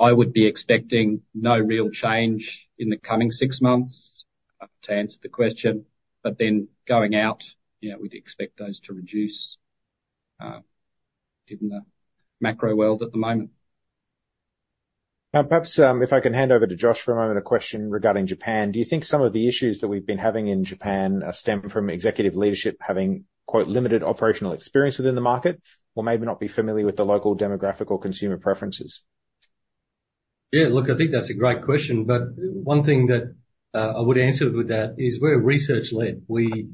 I would be expecting no real change in the coming six months, to answer the question, but then going out, you know, we'd expect those to reduce, given the macro world at the moment. Perhaps, if I can hand over to Josh for a moment, a question regarding Japan: Do you think some of the issues that we've been having in Japan stem from executive leadership having, quote, "limited operational experience" within the market? Or maybe not be familiar with the local demographic or consumer preferences?... Yeah, look, I think that's a great question, but one thing that I would answer with that is we're research-led. We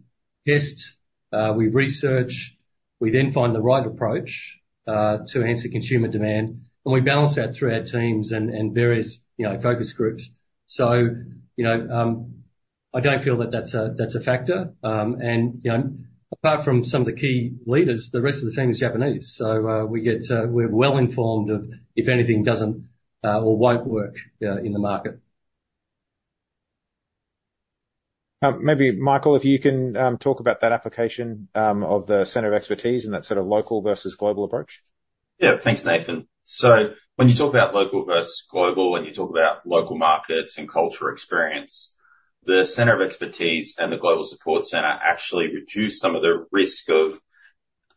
test, we research, we then find the right approach to answer consumer demand, and we balance that through our teams and various, you know, focus groups. So, you know, I don't feel that that's a factor. And, you know, apart from some of the key leaders, the rest of the team is Japanese. So, we get, we're well informed of if anything doesn't or won't work in the market. Maybe Michael, if you can, talk about that application of the Centre of Expertise and that sort of local versus global approach? Yeah. Thanks, Nathan. So when you talk about local versus global, when you talk about local markets and culture experience, the Centre of Expertise and the Global Support Center actually reduce some of the risk of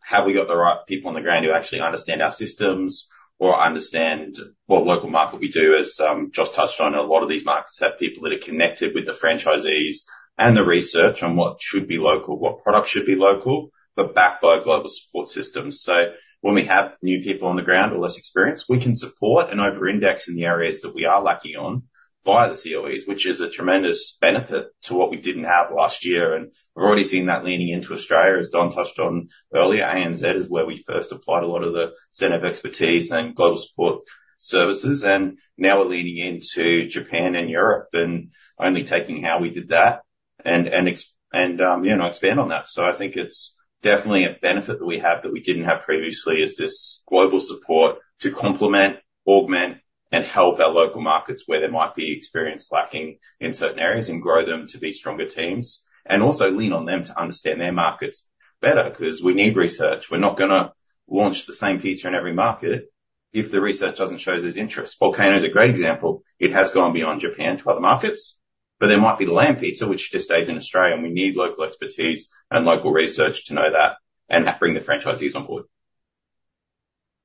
have we got the right people on the ground who actually understand our systems or understand what local market we do? As, Josh touched on, a lot of these markets have people that are connected with the franchisees and the research on what should be local, what products should be local, but backed by global support systems. So when we have new people on the ground or less experienced, we can support and over-index in the areas that we are lacking on via the COEs, which is a tremendous benefit to what we didn't have last year. And we've already seen that leaning into Australia, as Don touched on earlier. ANZ is where we first applied a lot of the Centre of Expertise and Global Support Services, and now we're leading into Japan and Europe, and only taking how we did that, you know, expand on that. So I think it's definitely a benefit that we have that we didn't have previously, is this global support to complement, augment, and help our local markets where there might be experience lacking in certain areas, and grow them to be stronger teams. And also lean on them to understand their markets better, 'cause we need research. We're not gonna launch the same pizza in every market if the research doesn't show there's interest. Volcano is a great example. It has gone beyond Japan to other markets, but there might be the lamb pizza, which just stays in Australia, and we need local expertise and local research to know that, and help bring the franchisees on board.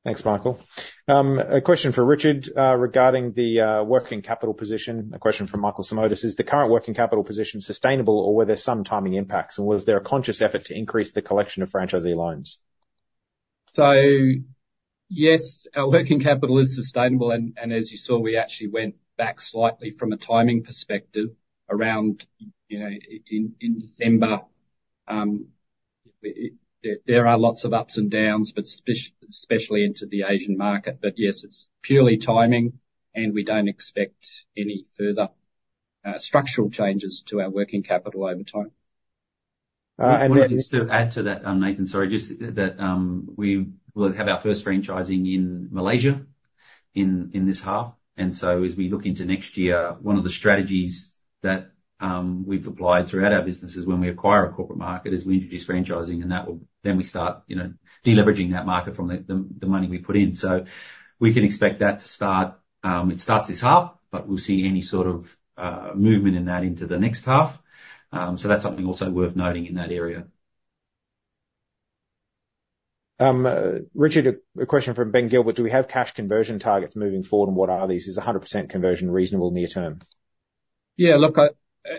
Thanks, Michael. A question for Richard, regarding the working capital position. A question from Michael Simotas: Is the current working capital position sustainable, or were there some timing impacts, and was there a conscious effort to increase the collection of franchisee loans? So, yes, our working capital is sustainable, and as you saw, we actually went back slightly from a timing perspective around, you know, in December. There are lots of ups and downs, but especially into the Asian market. But yes, it's purely timing, and we don't expect any further structural changes to our working capital over time. And- Just to add to that, Nathan, sorry, just that, we will have our first franchising in Malaysia in this half. And so as we look into next year, one of the strategies that we've applied throughout our business is when we acquire a corporate market, is we introduce franchising, and that will, then we start, you know, de-leveraging that market from the money we put in. So we can expect that to start, it starts this half, but we'll see any sort of movement in that into the next half. So that's something also worth noting in that area. Richard, a question from Ben Gilbert: Do we have cash conversion targets moving forward, and what are these? Is 100% conversion reasonable near term? Yeah, look,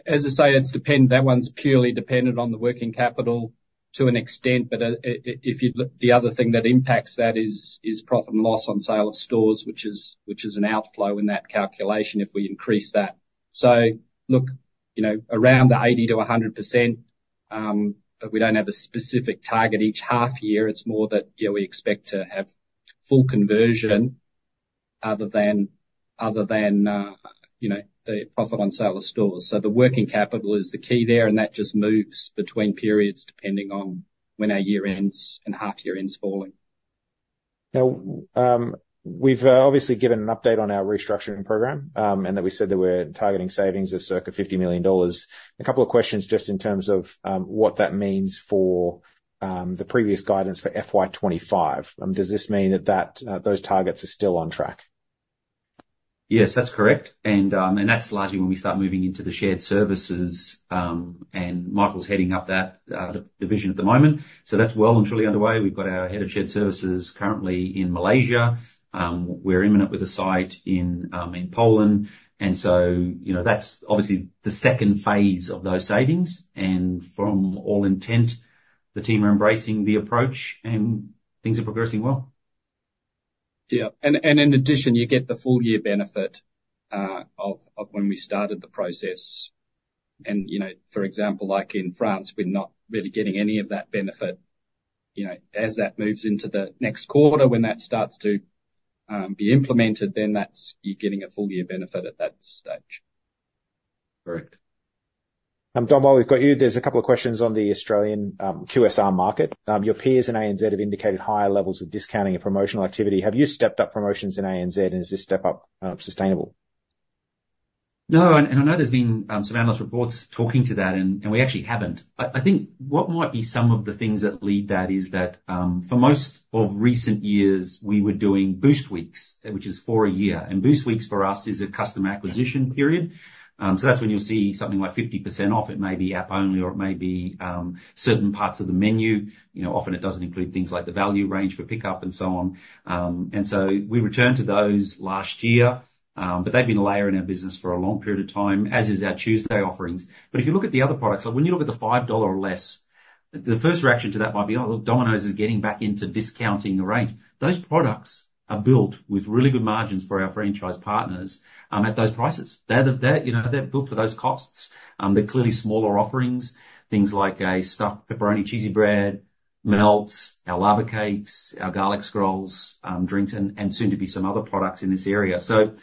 as I say, it's dependent. That one's purely dependent on the working capital to an extent, but if you look, the other thing that impacts that is profit and loss on sale of stores, which is an outflow in that calculation if we increase that. So, look, you know, around the 80%-100%, but we don't have a specific target each half year. It's more that, you know, we expect to have full conversion other than, you know, the profit on sale of stores. So the working capital is the key there, and that just moves between periods, depending on when our year ends and half year ends falling. Now, we've obviously given an update on our restructuring program, and that we said that we're targeting savings of circa 50 million dollars. A couple of questions just in terms of what that means for the previous guidance for FY25. Does this mean that that those targets are still on track? Yes, that's correct. And that's largely when we start moving into the shared services, and Michael's heading up that division at the moment, so that's well and truly underway. We've got our head of shared services currently in Malaysia. We're imminent with a site in in Poland, and so, you know, that's obviously the second phase of those savings, and from all intent, the team are embracing the approach, and things are progressing well. Yeah. And in addition, you get the full year benefit of when we started the process. And, you know, for example, like in France, we're not really getting any of that benefit. You know, as that moves into the next quarter, when that starts to be implemented, then that's. You're getting a full year benefit at that stage. Correct. Don, while we've got you, there's a couple of questions on the Australian QSR market. Your peers in ANZ have indicated higher levels of discounting and promotional activity. Have you stepped up promotions in ANZ, and is this step up sustainable? No, I know there's been some analyst reports talking to that, and we actually haven't. I think what might be some of the things that lead that is that, for most of recent years, we were doing boost weeks, which is for a year, and boost weeks for us is a customer acquisition period. So that's when you'll see something like 50% off. It may be app only, or it may be certain parts of the menu. You know, often it doesn't include things like the value range for pickup, and so on. And so we returned to those last year, but they've been a layer in our business for a long period of time, as is our Tuesday offerings. But if you look at the other products, like when you look at the 5 dollar or less, the first reaction to that might be, "Oh, Domino's is getting back into discounting the range." Those products are built with really good margins for our franchise partners at those prices. They're, they're, you know, they're built for those costs. They're clearly smaller offerings, things like a stuffed pepperoni, cheesy bread, melts, our lava cakes, our garlic scrolls, drinks, and soon to be some other products in this area. So,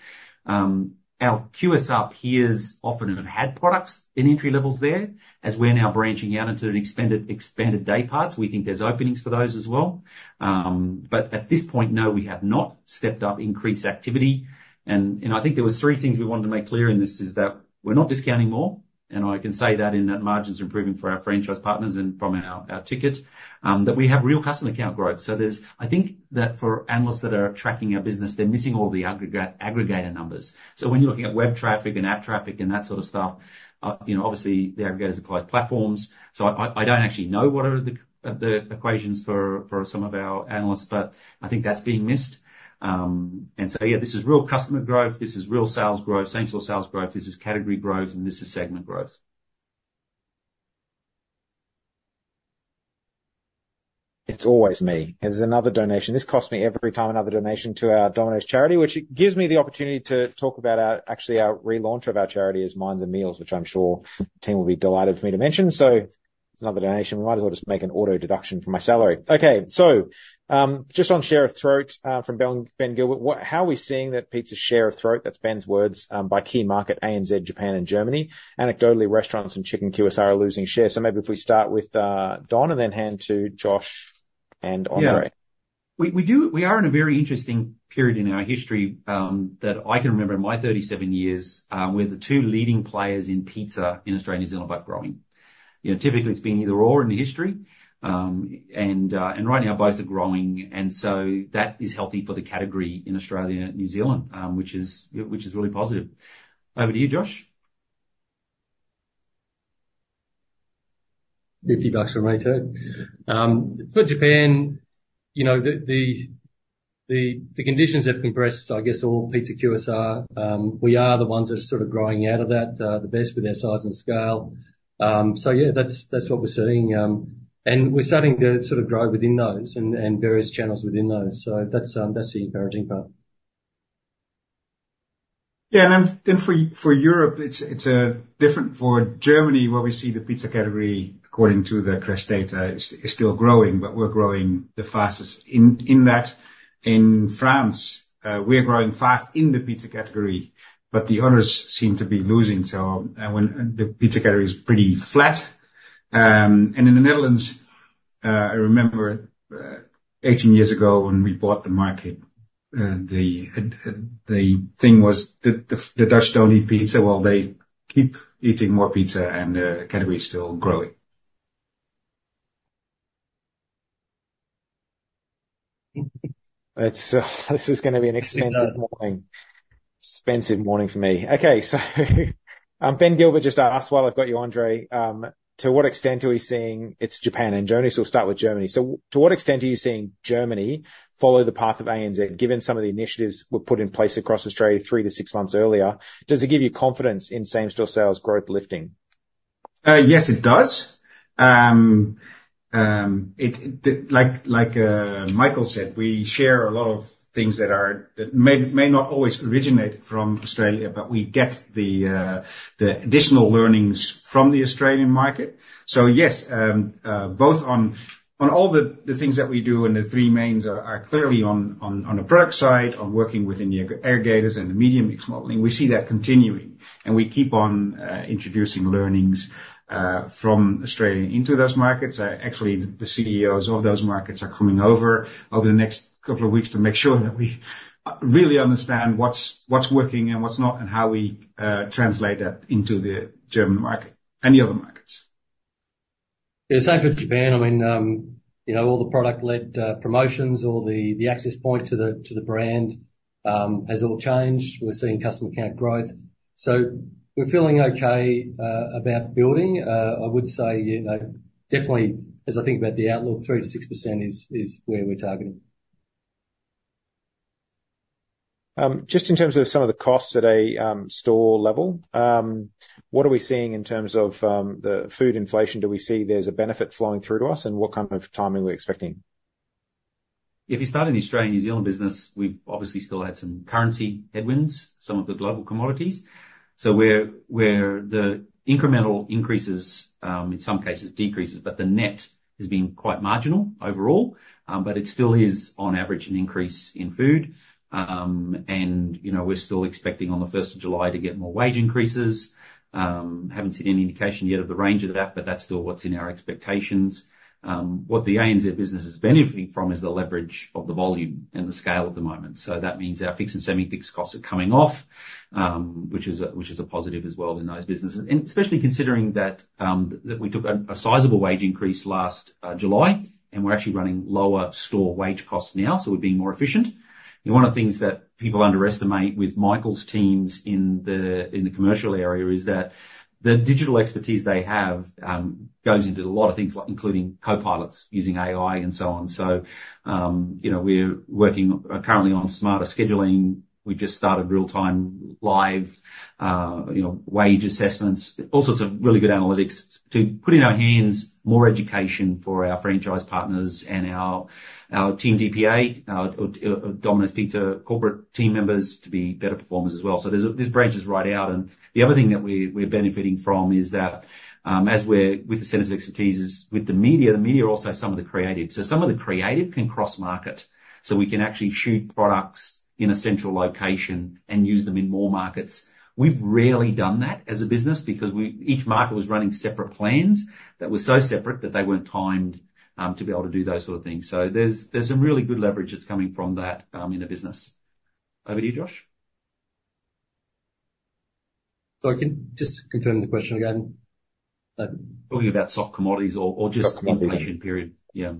our QSR peers often have had products in entry levels there. As we're now branching out into an expanded, expanded day parts, we think there's openings for those as well. But at this point, no, we have not stepped up increased activity. And I think there was three things we wanted to make clear in this, is that we're not discounting more, and I can say that in that margins are improving for our franchise partners and from our tickets, that we have real customer count growth. So there's, I think that for analysts that are tracking our business, they're missing all the aggregator numbers. So when you're looking at web traffic and app traffic and that sort of stuff, you know, obviously, the aggregators are quite platforms. So I don't actually know what are the, the equations for some of our analysts, but I think that's being missed. And so, yeah, this is real customer growth, this is real sales growth, same store sales growth, this is category growth, and this is segment growth. It's always me. There's another donation. This costs me every time another donation to our Domino's charity, which it gives me the opportunity to talk about our, actually our relaunch of our charity as Minds & Meals, which I'm sure the team will be delighted for me to mention. So it's another donation. We might as well just make an auto deduction from my salary. Okay, so, just on share of throat, from Ben, Ben Gilbert, what—how are we seeing that pizza share of throat, that's Ben's words, by key market, ANZ, Japan and Germany? Anecdotally, restaurants and chicken QSR are losing share. So maybe if we start with, Don, and then hand to Josh and Andre. Yeah. We are in a very interesting period in our history that I can remember in my 37 years, where the two leading players in pizza in Australia and New Zealand are both growing. You know, typically, it's been either or in the history. And right now, both are growing, and so that is healthy for the category in Australia and New Zealand, which is really positive. Over to you, Josh. 50 bucks from me, too. For Japan, you know, the conditions have compressed, I guess, all pizza QSR. We are the ones that are sort of growing out of that the best with our size and scale. So yeah, that's what we're seeing, and we're starting to sort of grow within those and various channels within those. So that's the encouraging part. Yeah, and then for Europe, it's different for Germany, where we see the pizza category, according to the CREST data, is still growing, but we're growing the fastest in that. In France, we are growing fast in the pizza category, but the others seem to be losing, so when the pizza category is pretty flat. And in the Netherlands, I remember 18 years ago when we bought the market, the thing was the Dutch don't eat pizza. Well, they keep eating more pizza, and the category is still growing. It's this is gonna be an expensive morning, expensive morning for me. Okay, so Ben Gilbert just asked, while I've got you, Andre, "To what extent are we seeing..." It's Japan and Germany, so we'll start with Germany. "So to what extent are you seeing Germany follow the path of ANZ, given some of the initiatives were put in place across Australia three-six months earlier? Does it give you confidence in same store sales growth lifting? Yes, it does. Like Michael said, we share a lot of things that may not always originate from Australia, but we get the additional learnings from the Australian market. So yes, both on all the things that we do, and the three mains are clearly on the product side, on working with the aggregators and the media mix modeling, we see that continuing. And we keep on introducing learnings from Australia into those markets. Actually, the CEOs of those markets are coming over the next couple of weeks, to make sure that we really understand what's working and what's not, and how we translate that into the German market and the other markets. Yeah, the same for Japan. I mean, you know, all the product lead promotions, all the, the access point to the, to the brand, has all changed. We're seeing customer count growth. So we're feeling okay, about building. I would say, you know, definitely as I think about the outlook, 3%-6% is, is where we're targeting. Just in terms of some of the costs at a store level, what are we seeing in terms of the food inflation? Do we see there's a benefit flowing through to us, and what kind of timing are we expecting? If you start in the Australia/New Zealand business, we've obviously still had some currency headwinds, some of the global commodities. So where the incremental increases, in some cases, decreases, but the net has been quite marginal overall. But it still is, on average, an increase in food. And, you know, we're still expecting on the first of July to get more wage increases. Haven't seen any indication yet of the range of that, but that's still what's in our expectations. What the ANZ business is benefiting from is the leverage of the volume and the scale at the moment. So that means our fixed and semi-fixed costs are coming off, which is a positive as well in those businesses. And especially considering that we took a sizable wage increase last July, and we're actually running lower store wage costs now, so we're being more efficient. And one of the things that people underestimate with Michael's teams in the commercial area is that the digital expertise they have goes into a lot of things, like, including copilots, using AI, and so on. So, you know, we're working currently on smarter scheduling. We just started real-time, live, you know, wage assessments, all sorts of really good analytics to put in our hands, more education for our franchise partners and our team DPE, our Domino's Pizza corporate team members to be better performers as well. So there's this branches right out. And the other thing that we're benefiting from is that, as we're with the Centres of Expertise, with the media, the media are also some of the creative. So some of the creative can cross market, so we can actually shoot products in a central location and use them in more markets. We've rarely done that as a business because each market was running separate plans that were so separate that they weren't timed to be able to do those sort of things. So there's some really good leverage that's coming from that in the business. Over to you, Josh? Sorry, can you just confirm the question again? Talking about soft commodities or just soft commodities inflation, period. Yeah.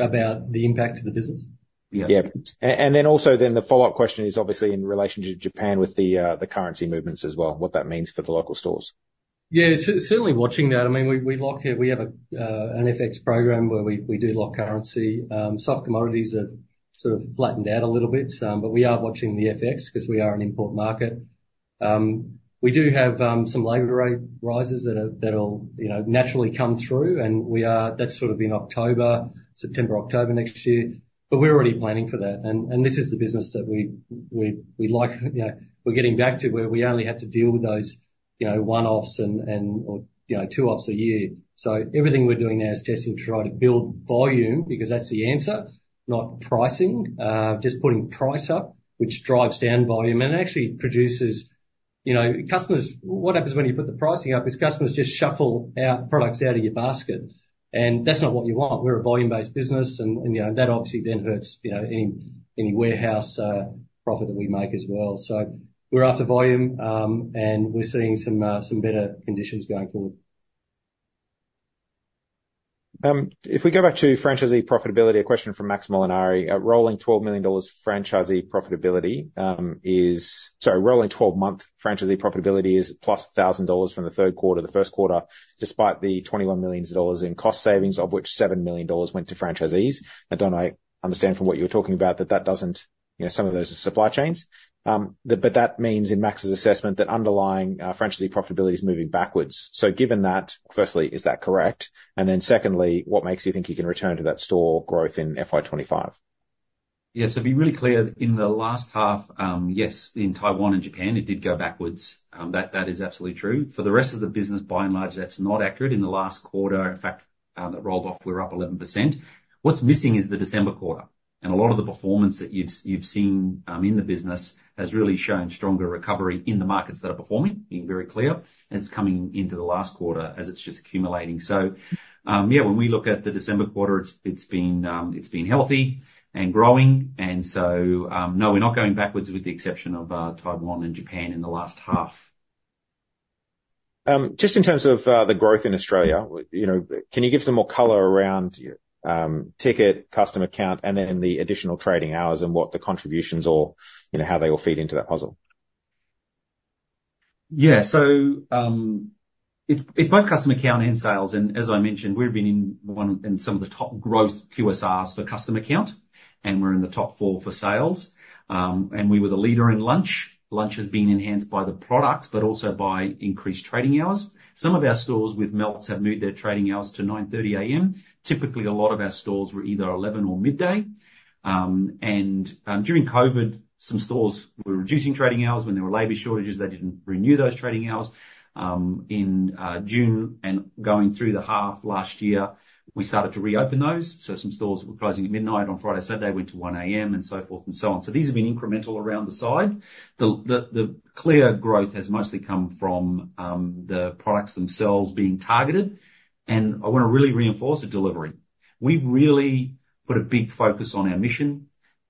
About the impact to the business? Yeah. Yeah. And then also, then the follow-up question is obviously in relation to Japan with the currency movements as well, what that means for the local stores. Yeah, certainly watching that. I mean, we lock here. We have an FX program where we do lock currency. Soft commodities have sort of flattened out a little bit, but we are watching the FX because we are an import market. We do have some labor rate rises that are-- that'll, you know, naturally come through, and we are-- That's sort of in September, October next year, but we're already planning for that. And this is the business that we like. You know, we're getting back to where we only have to deal with those, you know, one-offs and, or, you know, two-offs a year. So everything we're doing now is testing to try to build volume, because that's the answer, not pricing. Just putting price up, which drives down volume and actually produces... You know, customers. What happens when you put the pricing up is customers just shuffle out, products out of your basket, and that's not what you want. We're a volume-based business, and, you know, that obviously then hurts, you know, any warehouse profit that we make as well. So we're after volume, and we're seeing some better conditions going forward. If we go back to franchisee profitability, a question from Max Molinari. A rolling twelve-month franchisee profitability is + 1,000 dollars from the third quarter to the first quarter, despite the 21 million dollars in cost savings, of which 7 million dollars went to franchisees. Now, don't I understand from what you were talking about that that doesn't, you know, some of those are supply chains? But that means, in Max's assessment, that underlying franchisee profitability is moving backwards. So given that, firstly, is that correct? And then secondly, what makes you think you can return to that store growth in FY 2025? Yeah, so to be really clear, in the last half, yes, in Taiwan and Japan, it did go backwards. That, that is absolutely true. For the rest of the business, by and large, that's not accurate. In the last quarter, in fact, that rolled off, we were up 11%. What's missing is the December quarter, and a lot of the performance that you've seen in the business has really shown stronger recovery in the markets that are performing, being very clear, as it's coming into the last quarter, as it's just accumulating. So, yeah, when we look at the December quarter, it's, it's been, it's been healthy and growing, and so, no, we're not going backwards with the exception of Taiwan and Japan in the last half. Just in terms of the growth in Australia, you know, can you give some more color around ticket, customer count, and then the additional trading hours, and what the contributions or, you know, how they all feed into that puzzle? Yeah. So, it's both customer count and sales, and as I mentioned, we've been in some of the top growth QSRs for customer count, and we're in the top four for sales. We were the leader in lunch. Lunch has been enhanced by the products, but also by increased trading hours. Some of our stores with melts have moved their trading hours to 9:30 A.M. Typically, a lot of our stores were either 11:00 A.M. or midday. During COVID, some stores were reducing trading hours. When there were labor shortages, they didn't renew those trading hours. In June and going through the half last year, we started to reopen those. So some stores were closing at midnight on Friday, Saturday, went to 1:00 A.M., and so forth and so on. So these have been incremental around the side. The clear growth has mostly come from the products themselves being targeted, and I wanna really reinforce the delivery. We've really put a big focus on our mission.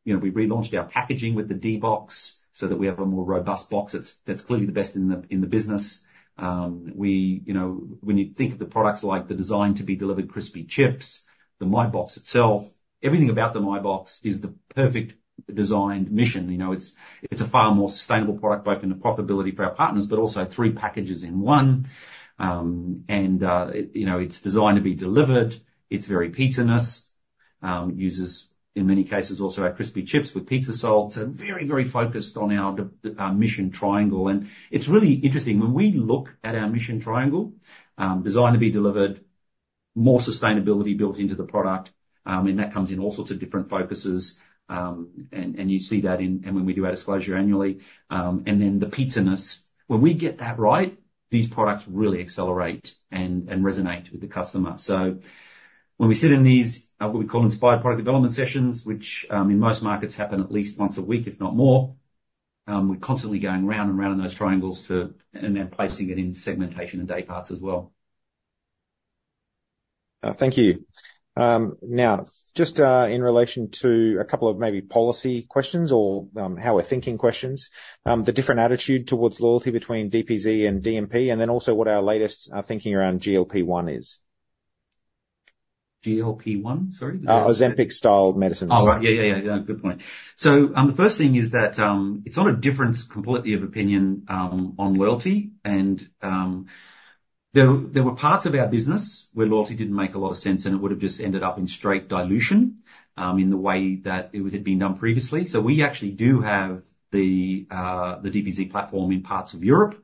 You know, we've relaunched our packaging with the D box so that we have a more robust box that's clearly the best in the business. You know, when you think of the products like the Designed to Be Delivered crispy chips, the My Box itself, everything about the My Box is the perfect designed mission. You know, it's a far more sustainable product, both in the profitability for our partners, but also three packages in one. And you know, it's designed to be delivered. It's very pizzaness. Uses, in many cases, also our crispy chips with pizza salt. So very, very focused on our delivery mission triangle. It's really interesting, when we look at our mission triangle, designed to be delivered, more sustainability built into the product, and that comes in all sorts of different focuses. And, and you see that in... and when we do our disclosure annually. And then the pizzaness. When we get that right, these products really accelerate and, and resonate with the customer. So when we sit in these, what we call inspired product development sessions, which, in most markets happen at least once a week, if not more, we're constantly going round and round in those triangles to, and then placing it in segmentation and day parts as well. Thank you. Now, just, in relation to a couple of maybe policy questions or, how we're thinking questions. The different attitude towards loyalty between DPZ and DNP, and then also what our latest, thinking around GLP-1 is. GLP-1, sorry? Ozempic-style medicines. All right. Yeah, yeah, yeah, good point. So, the first thing is that, it's not a difference completely of opinion on loyalty. And, there were parts of our business where loyalty didn't make a lot of sense, and it would've just ended up in straight dilution in the way that it would have been done previously. So we actually do have the DPZ platform in parts of Europe.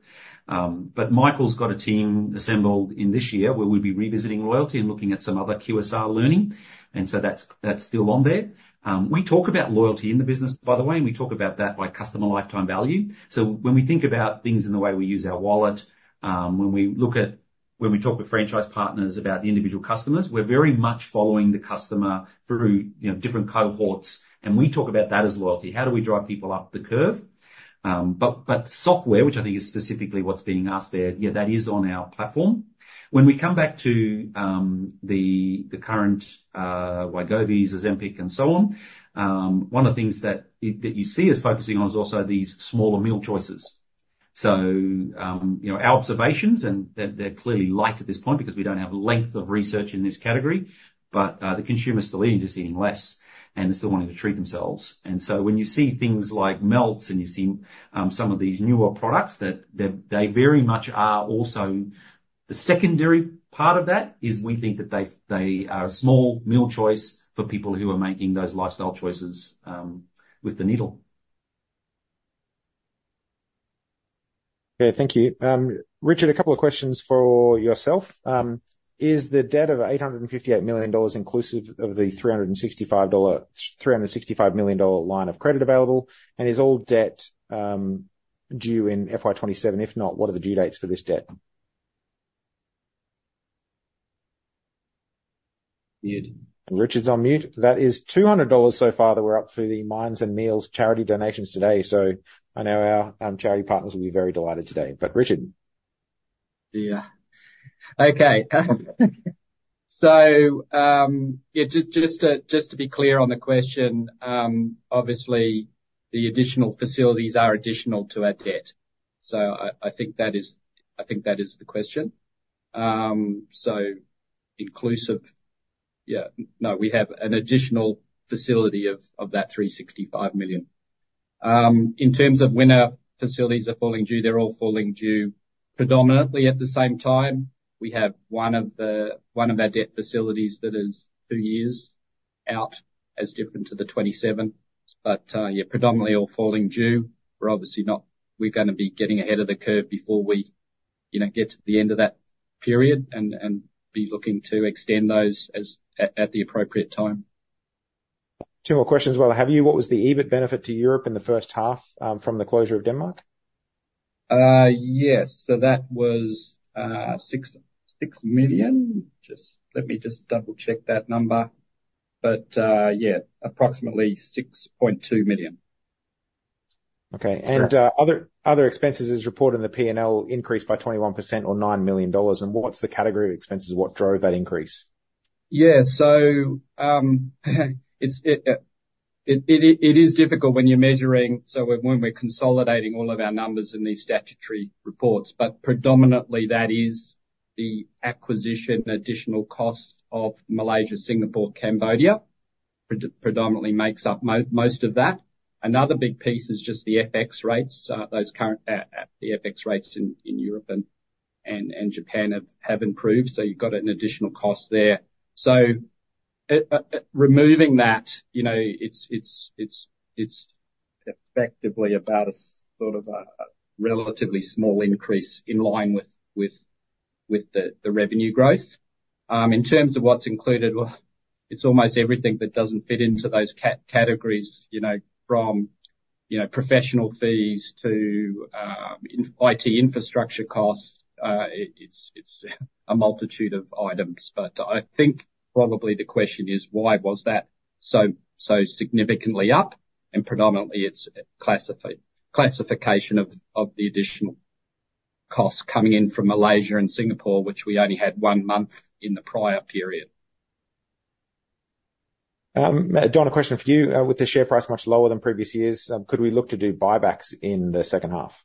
But Michael's got a team assembled this year, where we'll be revisiting loyalty and looking at some other QSR learning, and so that's still on there. We talk about loyalty in the business, by the way, and we talk about that by customer lifetime value. So when we think about things in the way we use our wallet, when we talk with franchise partners about the individual customers, we're very much following the customer through, you know, different cohorts, and we talk about that as loyalty. How do we drive people up the curve? But software, which I think is specifically what's being asked there, yeah, that is on our platform. When we come back to the current Wegovy, Ozempic, and so on, one of the things that you see us focusing on is also these smaller meal choices. You know, our observations, and they're clearly light at this point because we don't have length of research in this category, but the consumer is still eating, just eating less, and they're still wanting to treat themselves. So when you see things like melts, and you're seeing some of these newer products, that they very much are also the secondary part of that, is we think that they are a small meal choice for people who are making those lifestyle choices with the needle. Okay, thank you. Richard, a couple of questions for yourself. Is the debt of 858 million dollars inclusive of the 365 million dollar line of credit available? And is all debt due in FY 2027? If not, what are the due dates for this debt? Mute. Richard's on mute. That is 200 so far that we're up for the Minds and Meals charity donations today, so I know our charity partners will be very delighted today. But Richard? Yeah. Okay. So, yeah, just to be clear on the question, obviously, the additional facilities are additional to our debt. So I think that is the question. So inclusive. Yeah, no, we have an additional facility of 365 million. In terms of when our facilities are falling due, they're all falling due predominantly at the same time. We have one of our debt facilities that is two years out, as different to the 2027, but, yeah, predominantly all falling due. We're obviously gonna be getting ahead of the curve before we, you know, get to the end of that period, and be looking to extend those at the appropriate time. Two more questions while I have you. What was the EBIT benefit to Europe in the first half, from the closure of Denmark? Yes, so that was 6, 6 million. Just, let me just double-check that number. Yeah, approximately 6.2 million. Okay. Correct. Other expenses, as reported in the P&L, increased by 21% or 9 million dollars. What's the category of expenses? What drove that increase? Yeah, so, it's difficult when you're measuring. So when we're consolidating all of our numbers in these statutory reports, but predominantly, that is the acquisition and additional costs of Malaysia, Singapore, Cambodia, predominantly makes up most of that. Another big piece is just the FX rates. Those current, the FX rates in Europe and Japan have improved, so you've got an additional cost there. So, removing that, you know, it's effectively about a sort of a relatively small increase in line with the revenue growth. In terms of what's included, well, it's almost everything that doesn't fit into those categories, you know, from professional fees to IT infrastructure costs. It's a multitude of items. But I think probably the question is, why was that so, so significantly up? And predominantly, it's classification of the additional costs coming in from Malaysia and Singapore, which we only had one month in the prior period. Don, a question for you. With the share price much lower than previous years, could we look to do buybacks in the second half?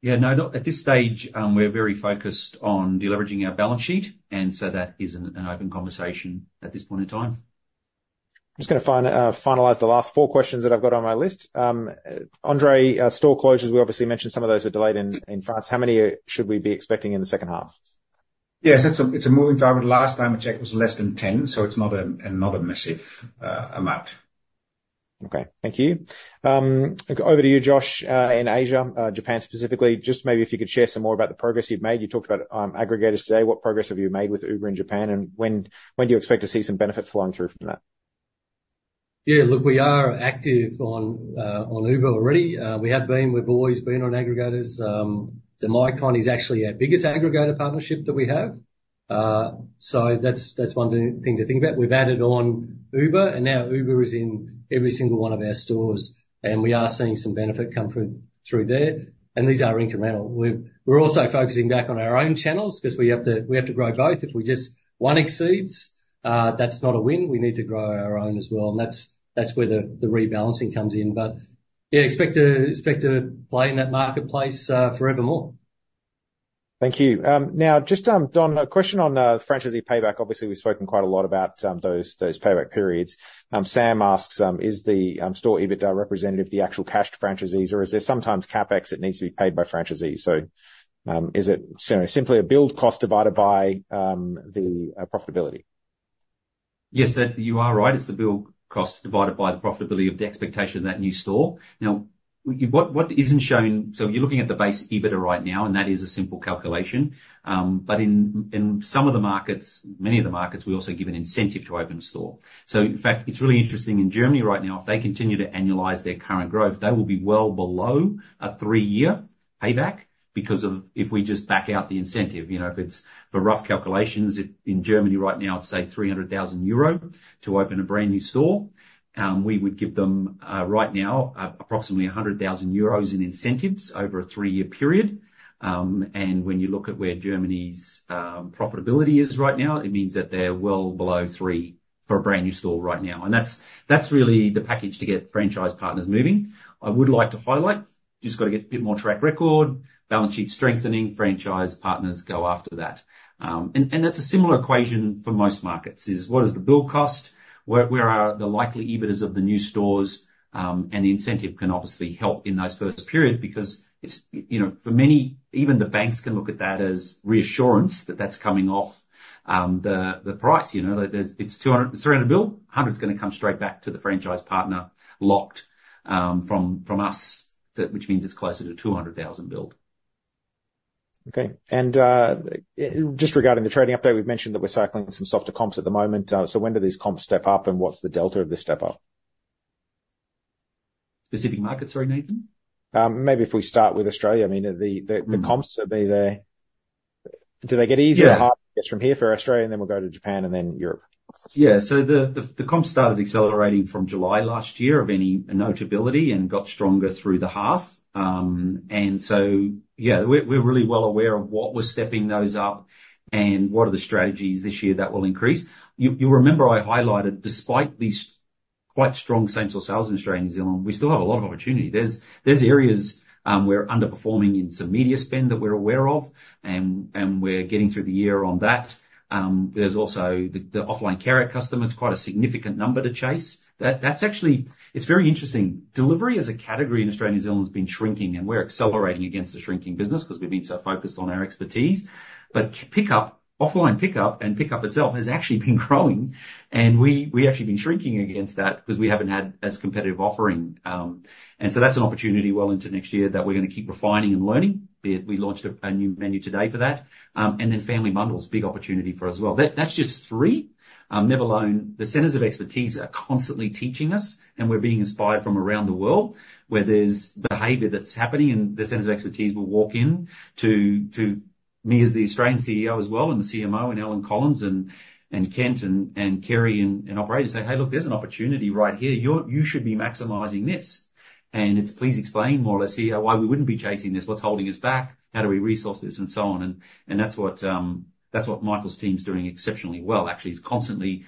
Yeah, no, not at this stage. We're very focused on deleveraging our balance sheet, and so that isn't an open conversation at this point in time. I'm just gonna finalize the last four questions that I've got on my list. Andre, store closures, we obviously mentioned some of those are delayed in France. How many should we be expecting in the second half? Yes, it's a, it's a moving target. Last time I checked was less than 10, so it's not a, not a massive amount. Okay, thank you. Over to you, Josh, in Asia, Japan specifically, just maybe if you could share some more about the progress you've made. You talked about aggregators today. What progress have you made with Uber in Japan, and when, when do you expect to see some benefit flowing through from that? Yeah, look, we are active on, on Uber already. We have been, we've always been on aggregators. Demae-can is actually our biggest aggregator partnership that we have. So that's, that's one thing, thing to think about. We've added on Uber, and now Uber is in every single one of our stores, and we are seeing some benefit come through, through there. And these are incremental. We're, we're also focusing back on our own channels, 'cause we have to, we have to grow both. If we just one exceeds, that's not a win. We need to grow our own as well, and that's, that's where the, the rebalancing comes in. But yeah, expect to, expect to play in that marketplace, forevermore. Thank you. Now just, Don, a question on franchisee payback. Obviously, we've spoken quite a lot about those, those payback periods. Sam asks, "Is the store EBITDA representative of the actual cash to franchisees, or is there sometimes CapEx that needs to be paid by franchisees?" So, is it simply a build cost divided by the profitability? Yes, you are right. It's the build cost divided by the profitability of the expectation of that new store. Now, what isn't shown. So you're looking at the base EBITDA right now, and that is a simple calculation. But in some of the markets, many of the markets, we also give an incentive to open a store. So in fact, it's really interesting, in Germany right now, if they continue to annualize their current growth, they will be well below a three-year payback because of if we just back out the incentive. You know, if it's, for rough calculations, in Germany right now, it's say 300,000 euro to open a brand-new store. We would give them right now approximately 100,000 euros in incentives over a three-year period. And when you look at where Germany's profitability is right now, it means that they're well below three for a brand new store right now, and that's really the package to get franchise partners moving. I would like to highlight, just gotta get a bit more track record, balance sheet strengthening, franchise partners go after that. And that's a similar equation for most markets, is what is the build cost? Where are the likely EBITDAs of the new stores? And the incentive can obviously help in those first periods because it's, you know, for many, even the banks can look at that as reassurance that that's coming off the price. You know, it's 300,000 build, AUD 100,000's gonna come straight back to the franchise partner, locked from us, that which means it's closer to 200,000 build. Okay. And, just regarding the trading update, we've mentioned that we're cycling some softer comps at the moment. So when do these comps step up, and what's the delta of the step-up? Specific markets, sorry, Nathan? Maybe if we start with Australia, I mean, the- Mm. The comps are they the... Do they get easier? Yeah or harder I guess, from here for Australia? And then we'll go to Japan and then Europe. Yeah. So the comps started accelerating from July last year of any notability and got stronger through the half. And so yeah, we're really well aware of what we're stepping those up and what are the strategies this year that will increase. You'll remember I highlighted, despite these quite strong same-store sales in Australia and New Zealand, we still have a lot of opportunity. There's areas we're underperforming in some media spend that we're aware of, and we're getting through the year on that. There's also the offline carryout customer; it's quite a significant number to chase. That's actually... It's very interesting. Delivery as a category in Australia and New Zealand has been shrinking, and we're accelerating against the shrinking business because we've been so focused on our expertise. But pickup, offline pickup and pickup itself has actually been growing, and we've actually been shrinking against that because we haven't had as competitive offering. And so that's an opportunity well into next year that we're gonna keep refining and learning. We launched a new menu today for that. And then family bundles, big opportunity for us as well. That's just three. Let alone, the Centres of Expertise are constantly teaching us, and we're being inspired from around the world, where there's behavior that's happening, and the Centres of Expertise will walk in to me as the Australian CEO as well, and the CMO, and Allan Collins, and Kent, and Kerri, and operators and say, "Hey, look, there's an opportunity right here. You're you should be maximizing this." And it's please explain more, let's see why we wouldn't be chasing this? What's holding us back? How do we resource this? And so on. And that's what Michael's team is doing exceptionally well, actually. He's constantly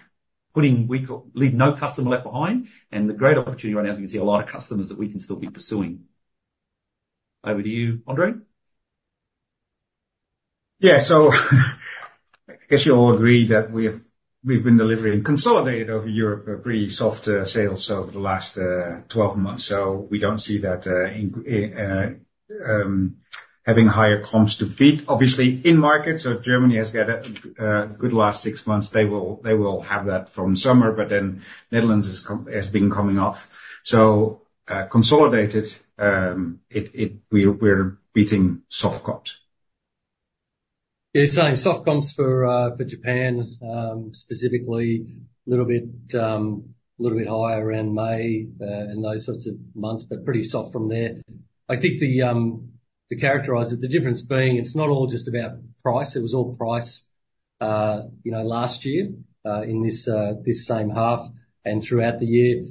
putting we could leave no customer left behind, and the great opportunity right now, as you can see, a lot of customers that we can still be pursuing. Over to you, Andre? Yeah, so, I guess you all agree that we have—we've been delivering consolidated over Europe a pretty soft sales over the last 12 months. So we don't see that having higher comps to beat. Obviously, in markets, so Germany has had a good last six months. They will have that from summer, but then Netherlands has been coming off. So, consolidated, we're beating soft comps. Yeah, same. Soft comps for Japan, specifically, little bit higher around May and those sorts of months, but pretty soft from there. I think to characterize it, the difference being it's not all just about price. It was all price, you know, last year, in this same half and throughout the year.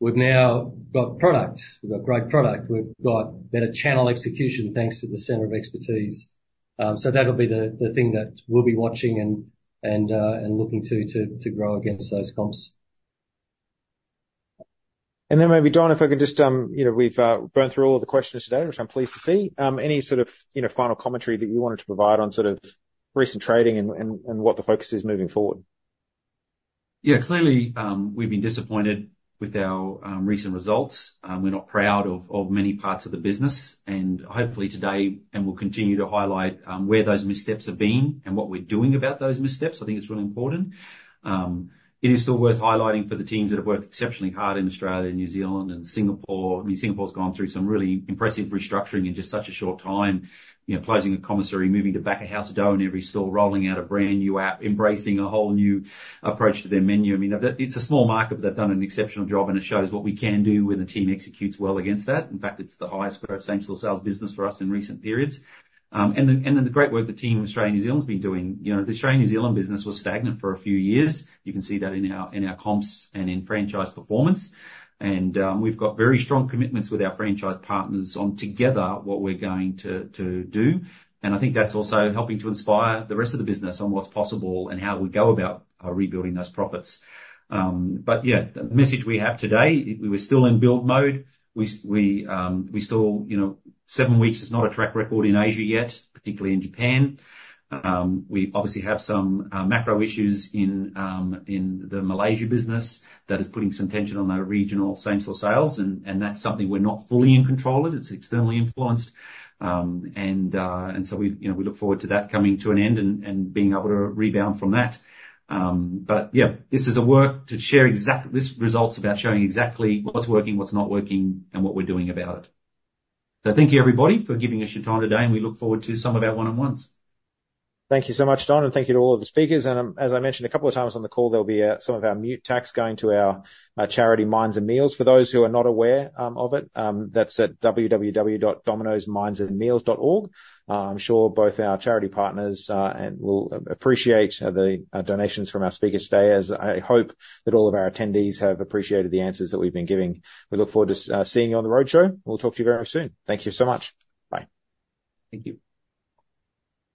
We've now got product. We've got great product. We've got better channel execution, thanks to the Centre of Expertise. So that'll be the thing that we'll be watching and looking to grow against those comps. And then maybe, Don, if I could just, you know, we've burnt through all of the questions today, which I'm pleased to see. Any sort of, you know, final commentary that you wanted to provide on sort of recent trading and what the focus is moving forward? Yeah. Clearly, we've been disappointed with our recent results. We're not proud of many parts of the business, and hopefully today we'll continue to highlight where those missteps have been and what we're doing about those missteps. I think it's really important. It is still worth highlighting for the teams that have worked exceptionally hard in Australia, and New Zealand, and Singapore. I mean, Singapore's gone through some really impressive restructuring in just such a short time. You know, closing a commissary, moving to back-of-house delivery store, rolling out a brand-new app, embracing a whole new approach to their menu. I mean, that... It's a small market, but they've done an exceptional job, and it shows what we can do when the team executes well against that. In fact, it's the highest growth same-store sales business for us in recent periods. And then the great work the team in Australia and New Zealand has been doing. You know, the Australia/New Zealand business was stagnant for a few years. You can see that in our comps and in franchise performance. And we've got very strong commitments with our franchise partners on together what we're going to do, and I think that's also helping to inspire the rest of the business on what's possible and how we go about rebuilding those profits. But yeah, the message we have today, we're still in build mode. We still... You know, seven weeks is not a track record in Asia yet, particularly in Japan. We obviously have some macro issues in the Malaysia business that is putting some tension on the regional same-store sales, and, and that's something we're not fully in control of. It's externally influenced. And so we, you know, we look forward to that coming to an end and, and being able to rebound from that. But yeah, this result's about showing exactly what's working, what's not working, and what we're doing about it. So thank you, everybody, for giving us your time today, and we look forward to some of our one-on-ones. Thank you so much, Don, and thank you to all of the speakers. As I mentioned a couple of times on the call, there'll be some of our mute tax going to our charity, Minds & Meals. For those who are not aware of it, that's at www.dominosmindsandmeals.org. I'm sure both our charity partners and will appreciate the donations from our speakers today, as I hope that all of our attendees have appreciated the answers that we've been giving. We look forward to seeing you on the roadshow. We'll talk to you very soon. Thank you so much. Bye. Thank you.